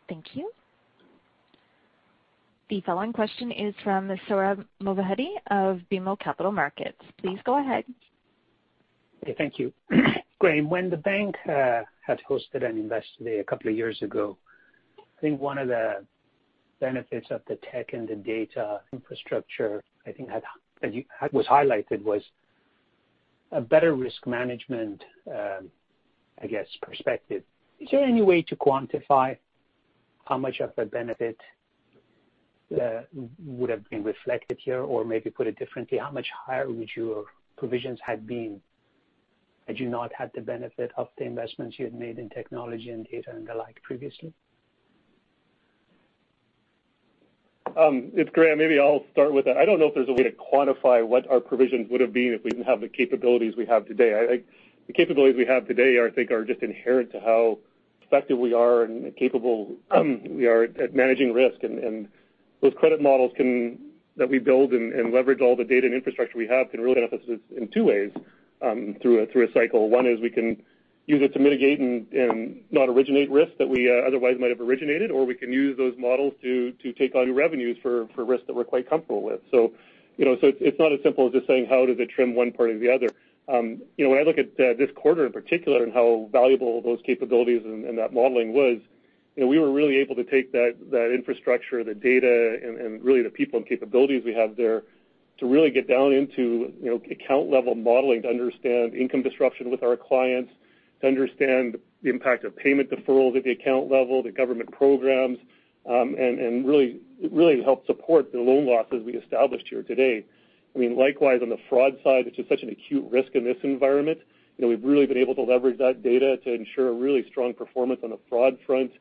Thank you. The following question is from Sohrab Movahedi of BMO Capital Markets. Please go ahead. Okay, thank you. Graeme, when the bank had hosted an Investor Day a couple of years ago, I think one of the benefits of the tech and the data infrastructure I think that was highlighted was a better risk management, I guess, perspective. Is there any way to quantify how much of the benefit would have been reflected here? Or maybe put it differently, how much higher would your provisions had been had you not had the benefit of the investments you had made in technology and data and the like previously? It's Graeme. Maybe I'll start with that. I don't know if there's a way to quantify what our provisions would've been if we didn't have the capabilities we have today. The capabilities we have today, I think, are just inherent to how effective we are and capable we are at managing risk. Those credit models that we build and leverage all the data and infrastructure we have can really help us in two ways through a cycle. One is we can use it to mitigate and not originate risk that we otherwise might have originated, or we can use those models to take on new revenues for risk that we're quite comfortable with. It's not as simple as just saying how does it trim one part or the other. When I look at this quarter in particular and how valuable those capabilities and that modeling was, we were really able to take that infrastructure, the data, and really the people and capabilities we have there to really get down into account level modeling to understand income disruption with our clients, to understand the impact of payment deferrals at the account level, the government programs, and really help support the loan losses we established here today. Likewise, on the fraud side, it's just such an acute risk in this environment. We've really been able to leverage that data to ensure a really strong performance on the fraud front.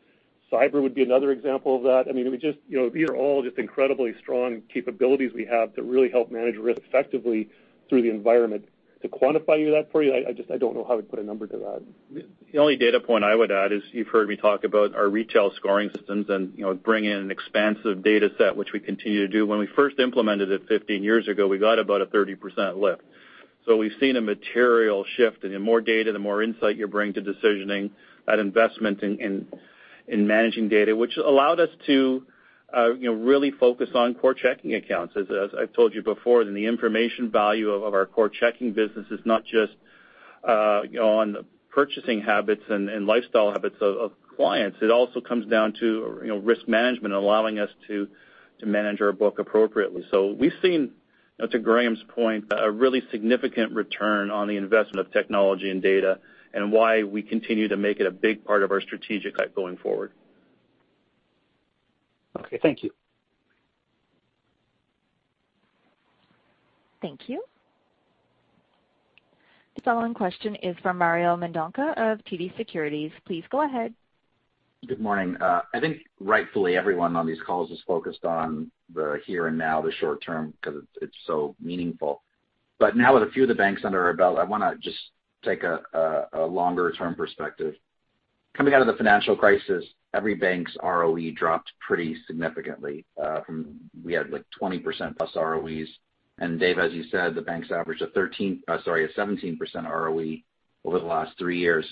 Cyber would be another example of that. These are all just incredibly strong capabilities we have to really help manage risk effectively through the environment. To quantify that for you, I just don't know how we'd put a number to that. The only data point I would add is you've heard me talk about our retail scoring systems and bring in an expansive data set, which we continue to do. When we first implemented it 15 years ago, we got about a 30% lift. We've seen a material shift, and the more data, the more insight you bring to decisioning that investment in managing data. Which allowed us to really focus on core checking accounts. As I've told you before, the information value of our core checking business is not just on purchasing habits and lifestyle habits of clients. It also comes down to risk management, allowing us to manage our book appropriately. We've seen, to Graeme's point, a really significant return on the investment of technology and data and why we continue to make it a big part of our strategic hype going forward. Okay. Thank you. Thank you. The following question is from Mario Mendonca of TD Securities. Please go ahead. Good morning. I think rightfully everyone on these calls is focused on the here and now, the short term, because it's so meaningful. Now with a few of the banks under our belt, I want to just take a longer-term perspective. Coming out of the financial crisis, every bank's ROE dropped pretty significantly. We had like 20%+ ROEs. Dave, as you said, the banks average a 17% ROE over the last three years.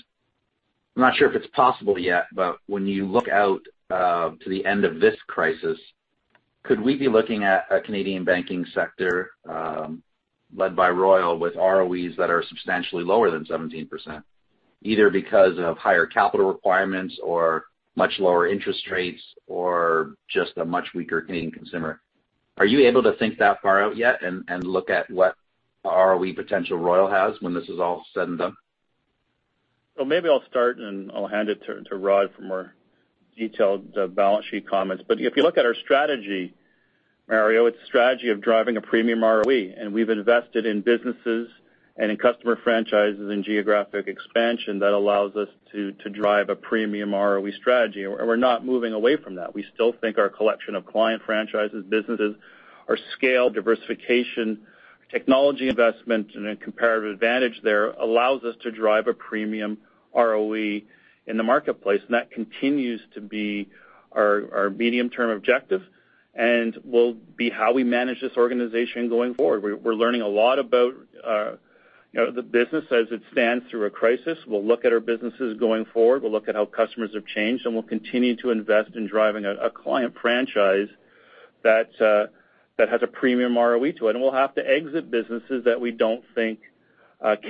I'm not sure if it's possible yet, but when you look out to the end of this crisis, could we be looking at a Canadian banking sector led by Royal with ROEs that are substantially lower than 17%, either because of higher capital requirements or much lower interest rates or just a much weaker Canadian consumer? Are you able to think that far out yet and look at what ROE potential Royal has when this is all said and done? Maybe I'll start, and I'll hand it to Rod for more detailed balance sheet comments. If you look at our strategy, Mario, it's a strategy of driving a premium ROE, and we've invested in businesses and in customer franchises and geographic expansion that allows us to drive a premium ROE strategy, and we're not moving away from that. We still think our collection of client franchises, businesses, our scale, diversification, technology investment, and a comparative advantage there allows us to drive a premium ROE in the marketplace. That continues to be our medium-term objective and will be how we manage this organization going forward. We're learning a lot about the business as it stands through a crisis. We'll look at our businesses going forward. We'll look at how customers have changed, and we'll continue to invest in driving a client franchise that has a premium ROE to it, and we'll have to exit businesses that we don't think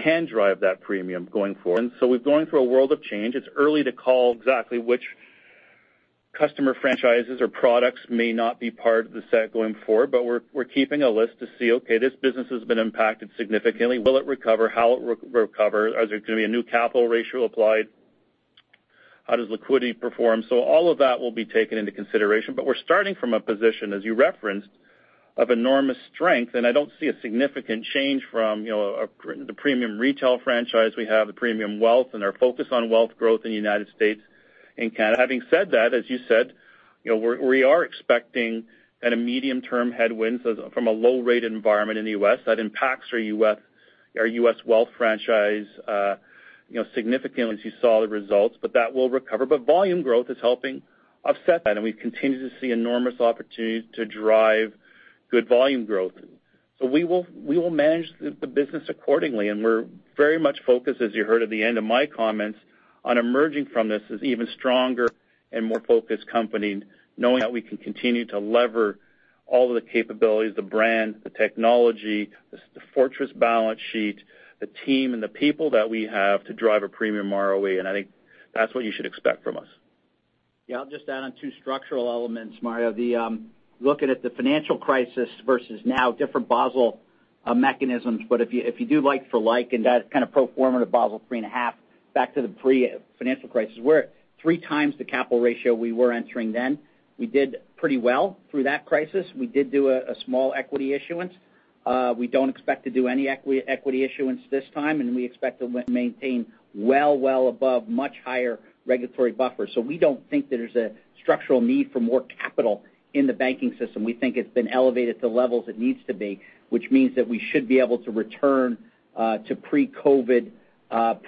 can drive that premium going forward. We're going through a world of change. It's early to call exactly which customer franchises or products may not be part of the set going forward. We're keeping a list to see, okay, this business has been impacted significantly. Will it recover? How it recover? Is there going to be a new capital ratio applied? How does liquidity perform? All of that will be taken into consideration, but we're starting from a position, as you referenced, of enormous strength, and I don't see a significant change from the premium retail franchise we have, the premium wealth, and our focus on wealth growth in the United States and Canada. Having said that, as you said, we are expecting that a medium-term headwind from a low rate environment in the U.S. that impacts our U.S. wealth franchise significantly as you saw the results. That will recover. Volume growth is helping offset that, and we continue to see enormous opportunities to drive good volume growth. We will manage the business accordingly, and we're very much focused, as you heard at the end of my comments, on emerging from this as even stronger and more focused company, knowing that we can continue to lever all of the capabilities, the brand, the technology, the fortress balance sheet, the team, and the people that we have to drive a premium ROE. I think that's what you should expect from us. Yeah. I'll just add on two structural elements, Mario. Looking at the financial crisis versus now, different Basel mechanisms. If you do like for like and kind of pro forma the Basel 3.5 back to the pre-financial crisis, we're at three times the capital ratio we were entering then. We did pretty well through that crisis. We did do a small equity issuance. We don't expect to do any equity issuance this time, and we expect to maintain well above much higher regulatory buffers. We don't think there's a structural need for more capital in the banking system. We think it's been elevated to levels it needs to be, which means that we should be able to return to pre-COVID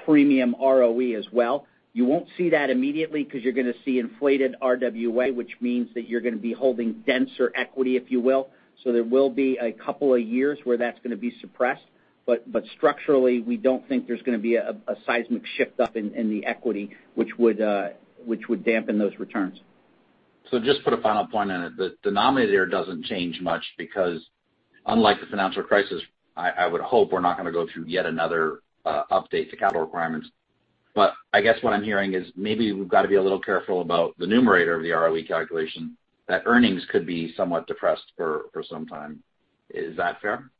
premium ROE as well. You won't see that immediately because you're going to see inflated RWA, which means that you're going to be holding denser equity, if you will. There will be a couple of years where that's going to be suppressed. Structurally, we don't think there's going to be a seismic shift up in the equity which would dampen those returns. Just put a final point on it. The denominator there doesn't change much because unlike the financial crisis, I would hope we're not going to go through yet another update to capital requirements. I guess what I'm hearing is maybe we've got to be a little careful about the numerator of the ROE calculation, that earnings could be somewhat depressed for some time. Is that fair?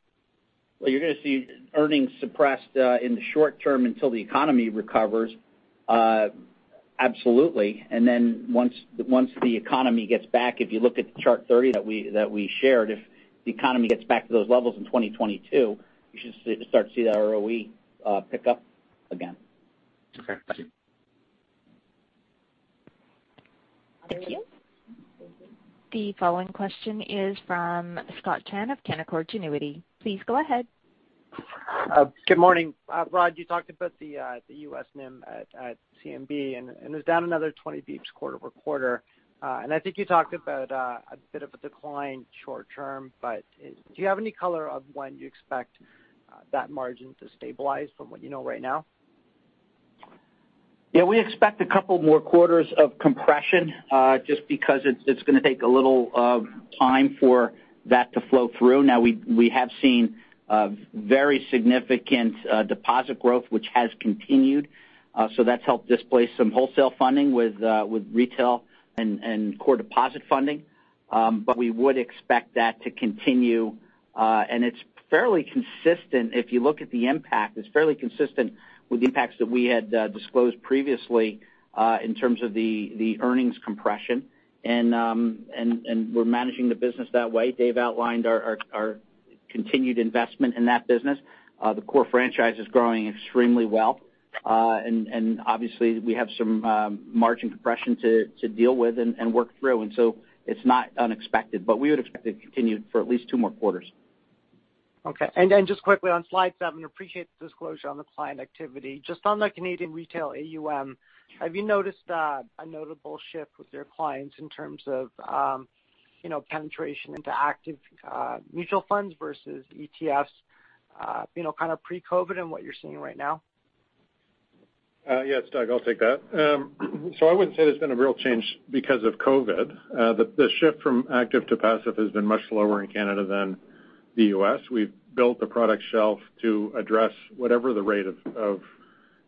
Well, you're going to see earnings suppressed in the short term until the economy recovers. Absolutely. Then once the economy gets back, if you look at chart 30 that we shared, if the economy gets back to those levels in 2022, you should start to see that ROE pick up again. Okay. Thank you. Thank you. The following question is from Scott Chan of Canaccord Genuity. Please go ahead. Good morning. Rod, you talked about the U.S. NIM at CNB, it was down another 20 bps quarter-over-quarter. I think you talked about a bit of a decline short term, but do you have any color of when you expect that margin to stabilize from what you know right now? Yeah. We expect a couple more quarters of compression just because it's going to take a little time for that to flow through. We have seen very significant deposit growth, which has continued. That's helped displace some wholesale funding with retail and core deposit funding. We would expect that to continue. It's fairly consistent if you look at the impact. It's fairly consistent with the impacts that we had disclosed previously in terms of the earnings compression. We're managing the business that way. Dave outlined our continued investment in that business. The core franchise is growing extremely well. Obviously we have some margin compression to deal with and work through. It's not unexpected, but we would expect it to continue for at least two more quarters. Okay. Just quickly on slide seven, appreciate the disclosure on the client activity. Just on the Canadian retail AUM, have you noticed a notable shift with your clients in terms of penetration into active mutual funds versus ETFs pre-COVID and what you're seeing right now? Yes, Doug, I'll take that. I wouldn't say there's been a real change because of COVID. The shift from active to passive has been much lower in Canada than the U.S. We've built the product shelf to address whatever the rate of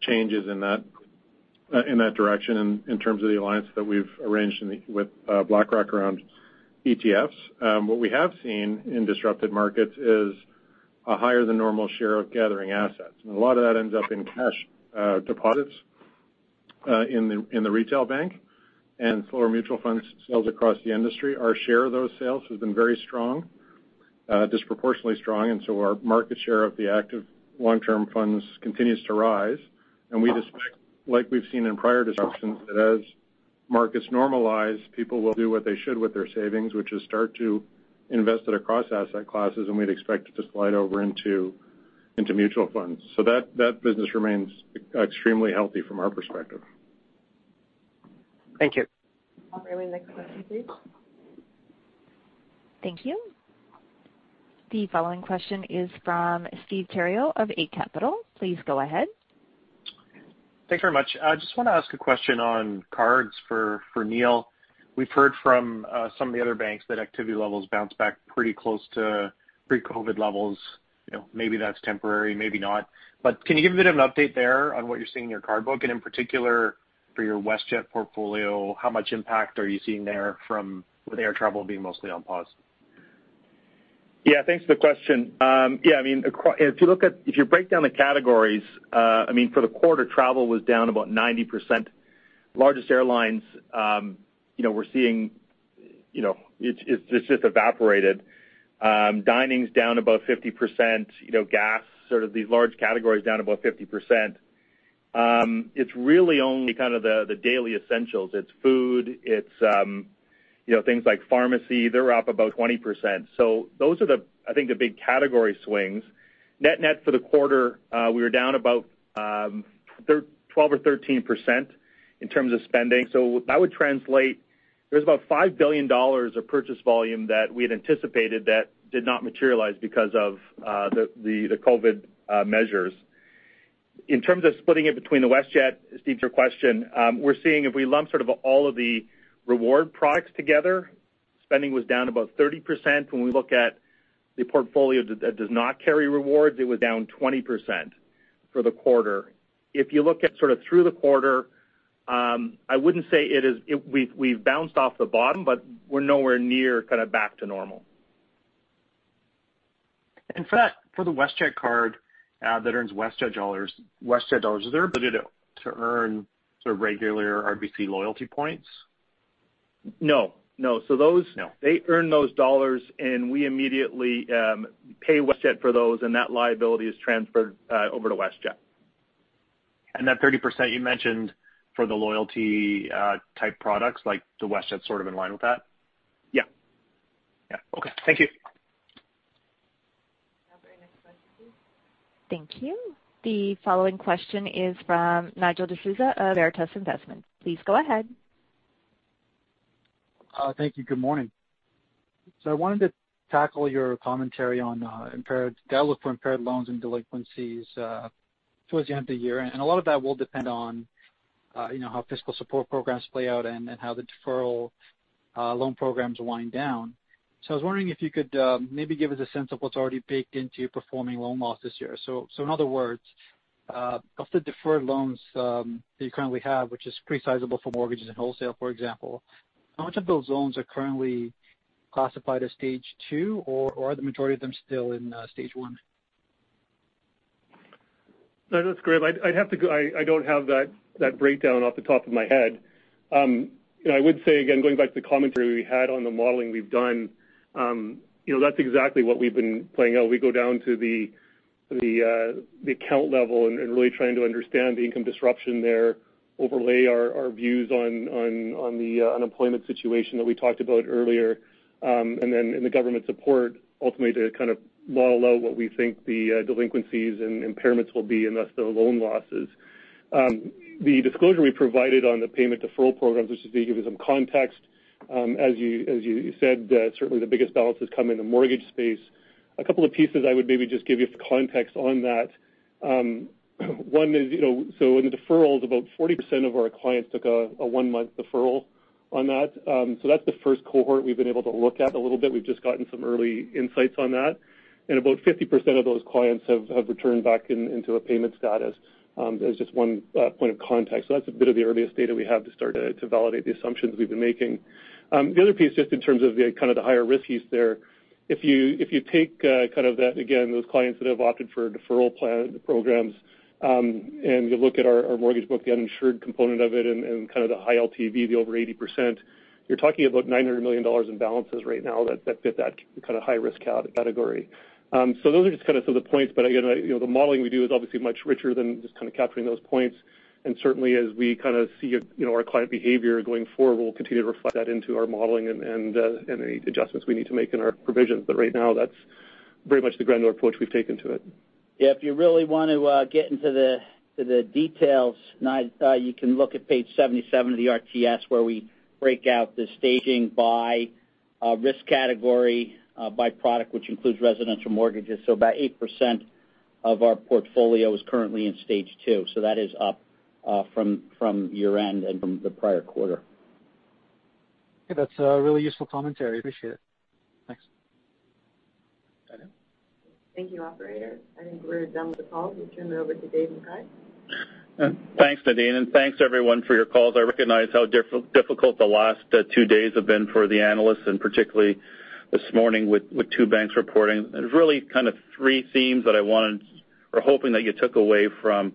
changes in that direction in terms of the alliance that we've arranged with BlackRock around ETFs. What we have seen in disrupted markets is a higher than normal share of gathering assets. A lot of that ends up in cash deposits in the retail bank and slower mutual fund sales across the industry. Our share of those sales has been very strong, disproportionately strong, our market share of the active long-term funds continues to rise. We'd expect, like we've seen in prior disruptions, that as markets normalize, people will do what they should with their savings, which is start to invest it across asset classes, and we'd expect it to slide over into mutual funds. That business remains extremely healthy from our perspective. Thank you. Operator, next question please. Thank you. The following question is from Steve Theriault of Eight Capital. Please go ahead. Thanks very much. I just want to ask a question on cards for Neil. We've heard from some of the other banks that activity levels bounce back pretty close to pre-COVID-19 levels. Maybe that's temporary, maybe not. Can you give a bit of an update there on what you're seeing in your card book and in particular for your WestJet portfolio, how much impact are you seeing there from with air travel being mostly on pause? Yeah. Thanks for the question. If you break down the categories, for the quarter, travel was down about 90%. Largest airlines we're seeing, it's just evaporated. Dining's down about 50%. Gas, sort of these large categories down about 50%. It's really only kind of the daily essentials. It's food, it's things like pharmacy. They're up about 20%. Those are, I think, the big category swings. Net for the quarter, we were down about 12% or 13% in terms of spending. That would translate, there's about 5 billion dollars of purchase volume that we had anticipated that did not materialize because of the COVID measures. In terms of splitting it between the WestJet, Steve, to your question, we're seeing if we lump sort of all of the reward products together, spending was down about 30%. When we look at The portfolio that does not carry rewards, it was down 20% for the quarter. You look at sort of through the quarter, I wouldn't say we've bounced off the bottom, but we're nowhere near kind of back to normal. For the WestJet card that earns WestJet dollars, is there ability to earn sort of regular RBC loyalty points? No. No. They earn those dollars, and we immediately pay WestJet for those, and that liability is transferred over to WestJet. That 30% you mentioned for the loyalty type products, like the WestJet sort of in line with that? Yeah. Yeah. Okay. Thank you. Operator, next question, please. Thank you. The following question is from Nigel D'Souza of Veritas Investments. Please go ahead. Thank you. Good morning. I wanted to tackle your commentary on impaired loans and delinquencies towards the end of the year, and a lot of that will depend on how fiscal support programs play out and how the deferral loan programs wind down. I was wondering if you could maybe give us a sense of what's already baked into your performing loan loss this year. In other words, of the deferred loans that you currently have, which is pretty sizable for mortgages and wholesale, for example, how much of those loans are currently classified as stage 2, or are the majority of them still in stage 1? No, that's great. I don't have that breakdown off the top of my head. I would say, again, going back to the commentary we had on the modeling we've done, that's exactly what we've been playing out. We go down to the account level and really trying to understand the income disruption there, overlay our views on the unemployment situation that we talked about earlier, and then the government support ultimately to kind of model out what we think the delinquencies and impairments will be, and thus the loan losses. The disclosure we provided on the payment deferral programs, just to give you some context, as you said, certainly the biggest balances come in the mortgage space. A couple of pieces I would maybe just give you context on that. One is, so in the deferrals, about 40% of our clients took a one-month deferral on that. That's the first cohort we've been able to look at a little bit. We've just gotten some early insights on that. About 50% of those clients have returned back into a payment status. That was just one point of context. That's a bit of the earliest data we have to start to validate the assumptions we've been making. The other piece, just in terms of the kind of the higher risks there, if you take kind of that, again, those clients that have opted for deferral programs, and you look at our mortgage book, the uninsured component of it, and kind of the high LTV, the over 80%, you're talking about 900 million dollars in balances right now that fit that kind of high-risk category. Those are just kind of some of the points, but again, the modeling we do is obviously much richer than just kind of capturing those points. Certainly, as we kind of see our client behavior going forward, we'll continue to reflect that into our modeling and any adjustments we need to make in our provisions. Right now, that's very much the granular approach we've taken to it. Yeah, if you really want to get into the details, Nigel, you can look at page 77 of the RTS where we break out the staging by risk category, by product, which includes residential mortgages. About 8% of our portfolio is currently in stage 2. That is up from year-end and from the prior quarter. Okay. That's a really useful commentary. Appreciate it. Thanks. Nadine? Thank you, Operator. I think we're done with the call. We turn it over to Dave McKay. Thanks, Nadine. Thanks everyone for your calls. I recognize how difficult the last two days have been for the analysts, and particularly this morning with two banks reporting. There's really kind of three themes that I wanted or hoping that you took away from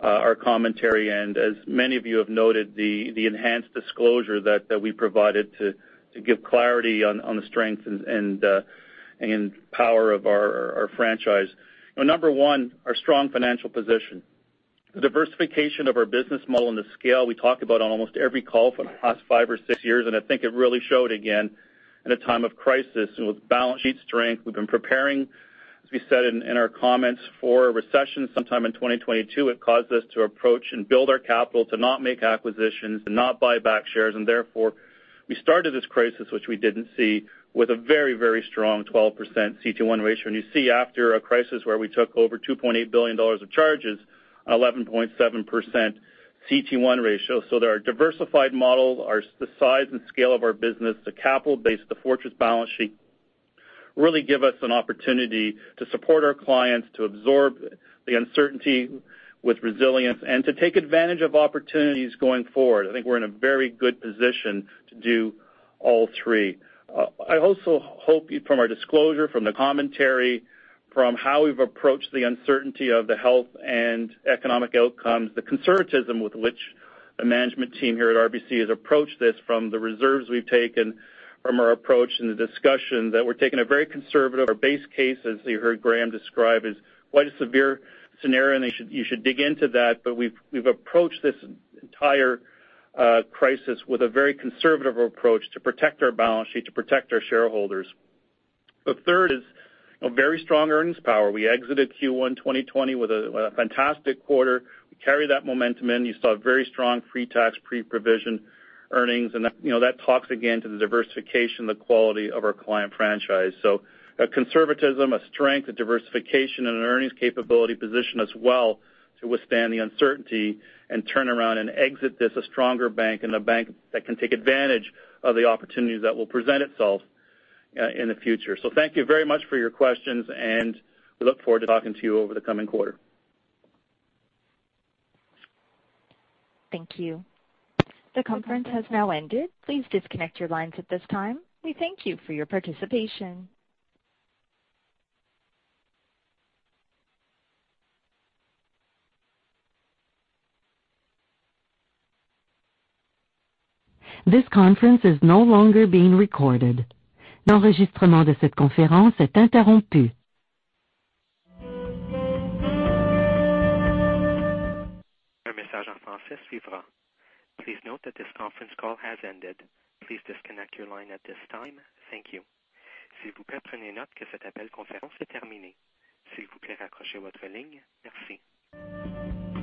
our commentary, and as many of you have noted, the enhanced disclosure that we provided to give clarity on the strength and power of our franchise. Number one, our strong financial position. The diversification of our business model and the scale we talk about on almost every call for the past five or six years, and I think it really showed again in a time of crisis. With balance sheet strength, we've been preparing, as we said in our comments, for a recession sometime in 2022. It caused us to approach and build our capital to not make acquisitions, to not buy back shares, and therefore, we started this crisis, which we didn't see, with a very, very strong 12% CET1 ratio. You see after a crisis where we took over 2.8 billion dollars of charges, 11.7% CET1 ratio. Our diversified model, the size and scale of our business, the capital base, the fortress balance sheet, really give us an opportunity to support our clients, to absorb the uncertainty with resilience, and to take advantage of opportunities going forward. I think we're in a very good position to do all three. I also hope from our disclosure, from the commentary, from how we've approached the uncertainty of the health and economic outcomes, the conservatism with which the management team here at RBC has approached this from the reserves we've taken from our approach in the discussion that we're taking a very conservative or base case, as you heard Graeme describe, is quite a severe scenario, and you should dig into that. We've approached this entire crisis with a very conservative approach to protect our balance sheet, to protect our shareholders. The third is very strong earnings power. We exited Q1 2020 with a fantastic quarter. We carry that momentum in. You saw very strong pre-tax, pre-provision earnings, and that talks again to the diversification, the quality of our client franchise. A conservatism, a strength, a diversification, and an earnings capability position as well to withstand the uncertainty and turn around and exit this a stronger bank and a bank that can take advantage of the opportunities that will present itself in the future. Thank you very much for your questions, and we look forward to talking to you over the coming quarter. Thank you. The conference has now ended. Please disconnect your lines at this time. We thank you for your participation.